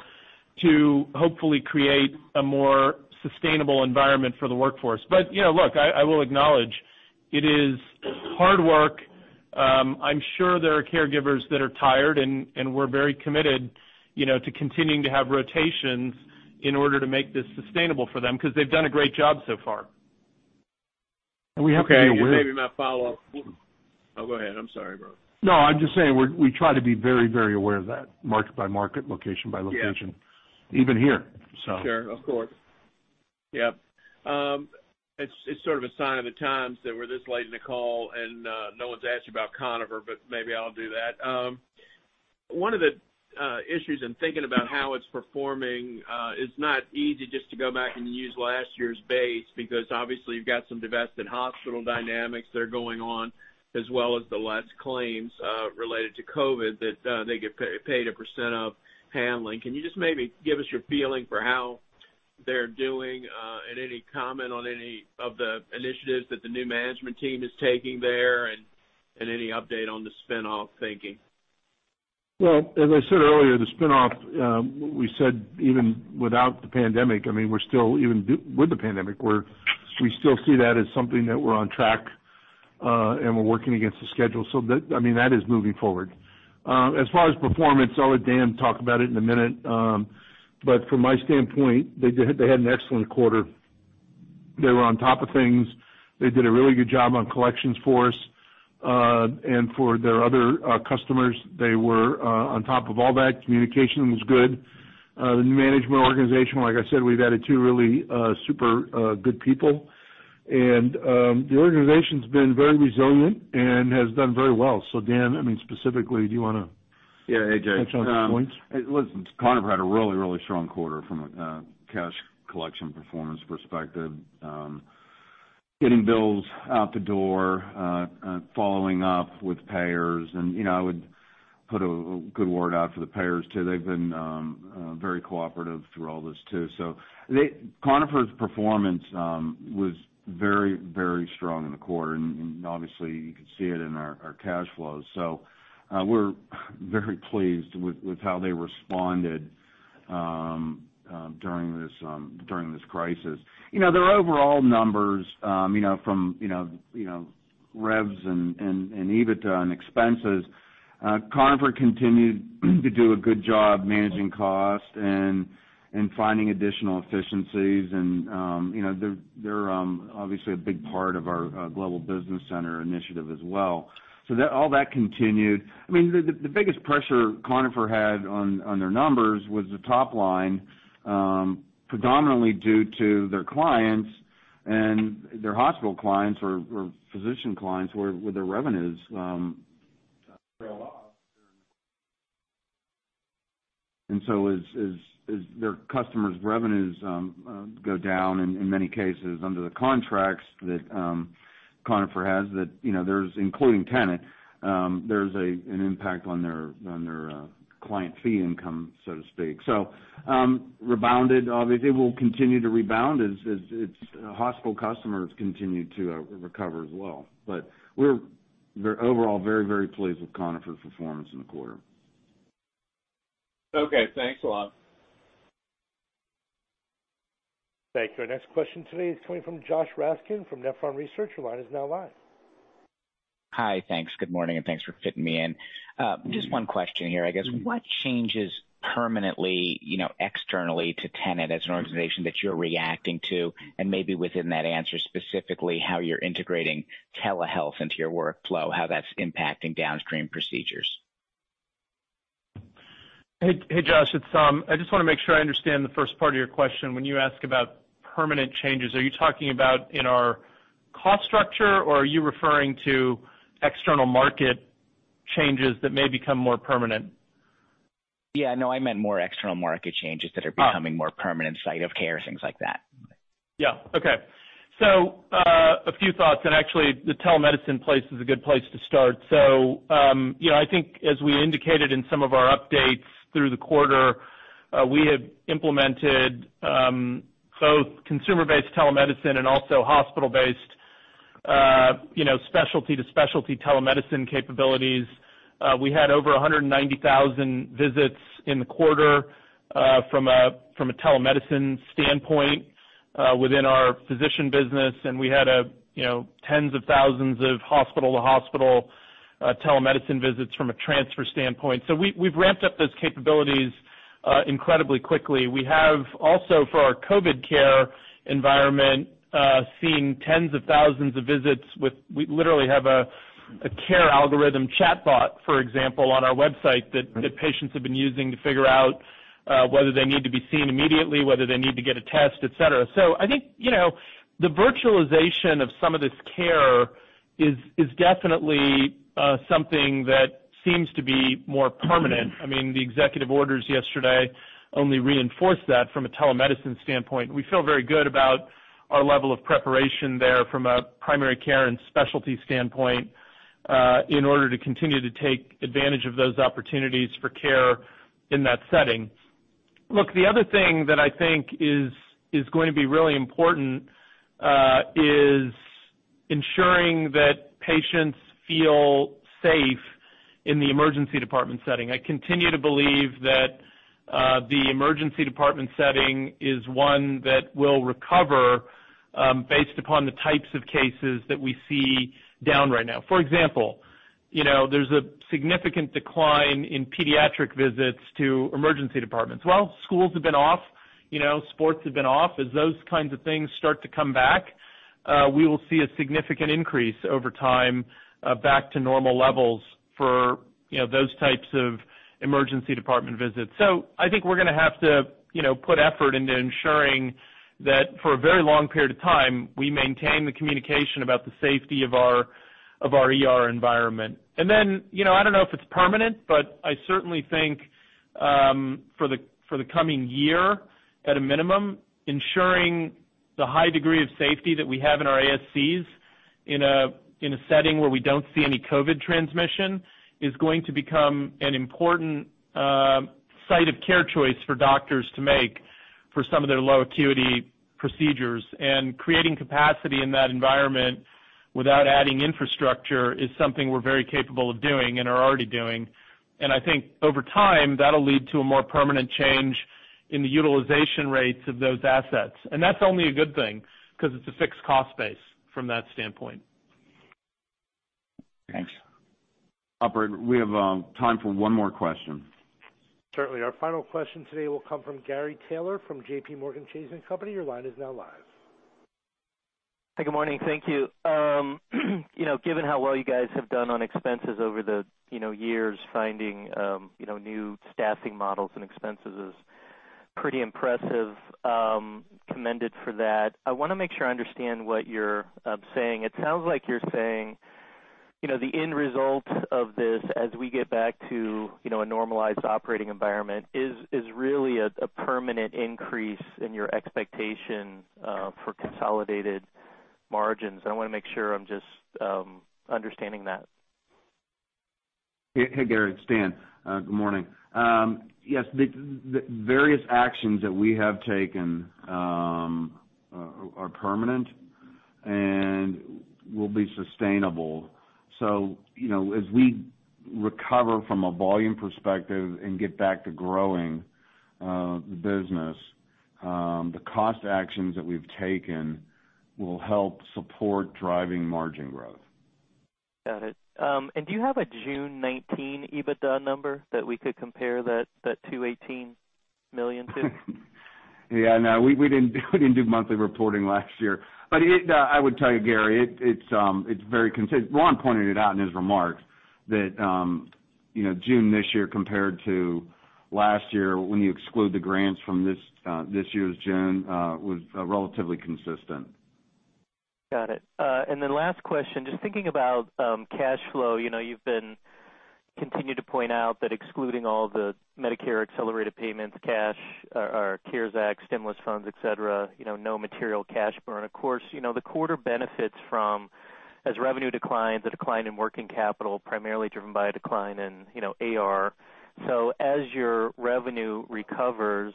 S6: to hopefully create a more sustainable environment for the workforce. Look, I will acknowledge it is hard work. I'm sure there are caregivers that are tired, and we're very committed to continuing to have rotations in order to make this sustainable for them, because they've done a great job so far. We have to be.
S13: Okay. Oh, go ahead. I'm sorry, Brett.
S9: No, I'm just saying, we try to be very aware of that market by market, location by location.
S13: Yeah.
S9: Even here.
S13: Sure. Of course. Yep. It's sort of a sign of the times that we're this late in the call and no one's asked you about Conifer, but maybe I'll do that. One of the issues in thinking about how it's performing, it's not easy just to go back and use last year's base, because obviously you've got some divested hospital dynamics that are going on, as well as the less claims related to COVID that they get paid a percentage of handling. Can you just maybe give us your feeling for how they are doing, and any comment on any of the initiatives that the new management team is taking there, and any update on the spinoff thinking?
S3: As I said earlier, the spinoff, we said even without the pandemic, even with the pandemic, we still see that as something that we're on track, and we're working against the schedule. That is moving forward. As far as performance, I'll let Dan talk about it in a minute. From my standpoint, they had an excellent quarter. They were on top of things. They did a really good job on collections for us, and for their other customers, they were on top of all that. Communication was good. The new management organization, like I said, we've added two really super good people, and the organization's been very resilient and has done very well. Dan, specifically, do you want to?
S4: Yeah. A.J.,
S3: touch on some points?
S4: Listen, Conifer had a really strong quarter from a cash collection performance perspective. Getting bills out the door, following up with payers, and I would put a good word out for the payers, too. They've been very cooperative through all this too. Conifer's performance was very strong in the quarter, and obviously you could see it in our cash flows. We're very pleased with how they responded during this crisis. Their overall numbers, from revs and EBITDA and expenses, Conifer continued to do a good job managing cost and finding additional efficiencies. They're obviously a big part of our global business center initiative as well. All that continued. The biggest pressure Conifer had on their numbers was the top line predominantly due to their clients and their hospital clients or physician clients, where their revenues trail off. As their customers' revenues go down, in many cases, under the contracts that Conifer has, including Tenet, there's an impact on their client fee income, so to speak. Rebounded. It will continue to rebound as hospital customers continue to recover as well. We're overall very pleased with Conifer's performance in the quarter.
S13: Okay. Thanks a lot.
S1: Thank you. Our next question today is coming from Joshua Raskin from Nephron Research. Your line is now live.
S14: Hi. Thanks. Good morning, and thanks for fitting me in. Just one question here, I guess. What changes permanently, externally to Tenet as an organization that you're reacting to, and maybe within that answer, specifically how you're integrating telehealth into your workflow, how that's impacting downstream procedures?
S6: Hey, Josh. I just want to make sure I understand the first part of your question. When you ask about permanent changes, are you talking about in our cost structure, or are you referring to external market changes that may become more permanent?
S14: Yeah, no. I meant more external market changes that are becoming more permanent, site of care, things like that.
S6: Yeah. Okay. A few thoughts, and actually, the telemedicine place is a good place to start. I think as we indicated in some of our updates through the quarter, we have implemented both consumer-based telemedicine and also hospital-based specialty to specialty telemedicine capabilities. We had over 190,000 visits in the quarter from a telemedicine standpoint within our physician business, and we had tens of thousands of hospital to hospital telemedicine visits from a transfer standpoint. We've ramped up those capabilities incredibly quickly. We have also for our COVID care environment, seen tens of thousands of visits. We literally have a care algorithm chatbot, for example, on our website that patients have been using to figure out whether they need to be seen immediately, whether they need to get a test, et cetera. I think the virtualization of some of this care is definitely something that seems to be more permanent. The executive orders yesterday only reinforced that from a telemedicine standpoint. We feel very good about our level of preparation there from a primary care and specialty standpoint, in order to continue to take advantage of those opportunities for care in that setting. Look, the other thing that I think is going to be really important, is ensuring that patients feel safe in the emergency department setting. I continue to believe that the emergency department setting is one that will recover based upon the types of cases that we see down right now. For example, there's a significant decline in pediatric visits to emergency departments. Schools have been off, sports have been off. As those kinds of things start to come back, we will see a significant increase over time back to normal levels for those types of emergency department visits. I think we're going to have to put effort into ensuring that for a very long period of time, we maintain the communication about the safety of our ER environment. I don't know if it's permanent, but I certainly think, for the coming year at a minimum, ensuring the high degree of safety that we have in our ASCs in a setting where we don't see any COVID-19 transmission is going to become an important site of care choice for doctors to make for some of their low acuity procedures. Creating capacity in that environment without adding infrastructure is something we're very capable of doing and are already doing. I think over time, that'll lead to a more permanent change in the utilization rates of those assets. That's only a good thing because it's a fixed cost base from that standpoint.
S14: Thanks.
S4: Operator, we have time for one more question.
S1: Certainly. Our final question today will come from Gary Taylor from JPMorgan Chase & Co. Your line is now live.
S15: Hey, good morning. Thank you. Given how well you guys have done on expenses over the years, finding new staffing models and expenses is pretty impressive. Commended for that. I want to make sure I understand what you're saying. It sounds like you're saying, the end result of this as we get back to a normalized operating environment is really a permanent increase in your expectation for consolidated margins. I want to make sure I'm just understanding that.
S4: Hey, Gary, it's Dan. Good morning. Yes, the various actions that we have taken are permanent and will be sustainable. As we recover from a volume perspective and get back to growing the business, the cost actions that we've taken will help support driving margin growth.
S15: Got it. Do you have a June 2019 EBITDA number that we could compare that to $18 million to?
S4: Yeah, no, we didn't do monthly reporting last year. I would tell you, Gary, Ron pointed it out in his remarks, that June this year compared to last year, when you exclude the grants from this year's June, was relatively consistent.
S15: Got it. Last question, just thinking about cash flow. You've been continue to point out that excluding all the Medicare accelerated payments, cash or CARES Act, stimulus funds, et cetera, no material cash burn. Of course, the quarter benefits from, as revenue declines, the decline in working capital, primarily driven by a decline in AR. As your revenue recovers,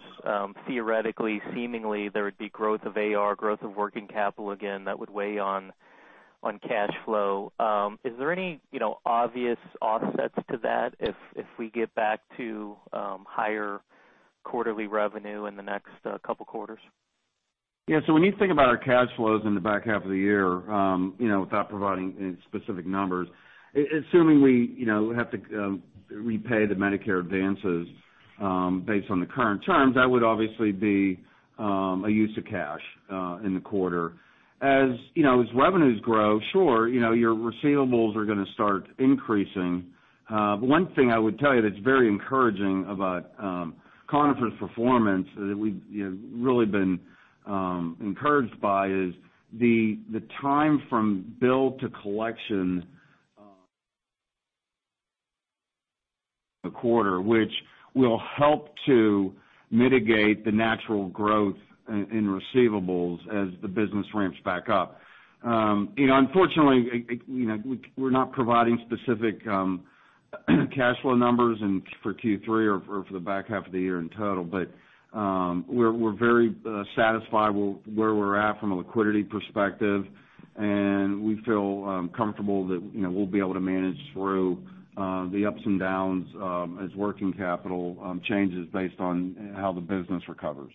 S15: theoretically, seemingly, there would be growth of AR, growth of working capital again, that would weigh on cash flow. Is there any obvious offsets to that if we get back to higher quarterly revenue in the next couple quarters?
S4: When you think about our cash flows in the back half of the year, without providing any specific numbers, assuming we have to repay the Medicare advances, based on the current terms, that would obviously be a use of cash in the quarter. As revenues grow, sure, your receivables are going to start increasing. One thing I would tell you that's very encouraging about Conifer's performance that we've really been encouraged by is the time from bill to collection the quarter, which will help to mitigate the natural growth in receivables as the business ramps back up. Unfortunately, we're not providing specific cash flow numbers for Q3 or for the back half of the year in total. We're very satisfied with where we're at from a liquidity perspective, and we feel comfortable that we'll be able to manage through the ups and downs, as working capital changes based on how the business recovers.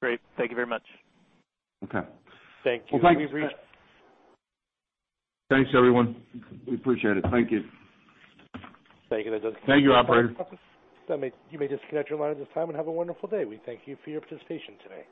S15: Great. Thank you very much.
S4: Okay.
S1: Thank you.
S4: Thanks, everyone. We appreciate it. Thank you.
S1: Thank you.
S4: Thank you, operator.
S1: You may disconnect your line at this time, and have a wonderful day. We thank you for your participation today.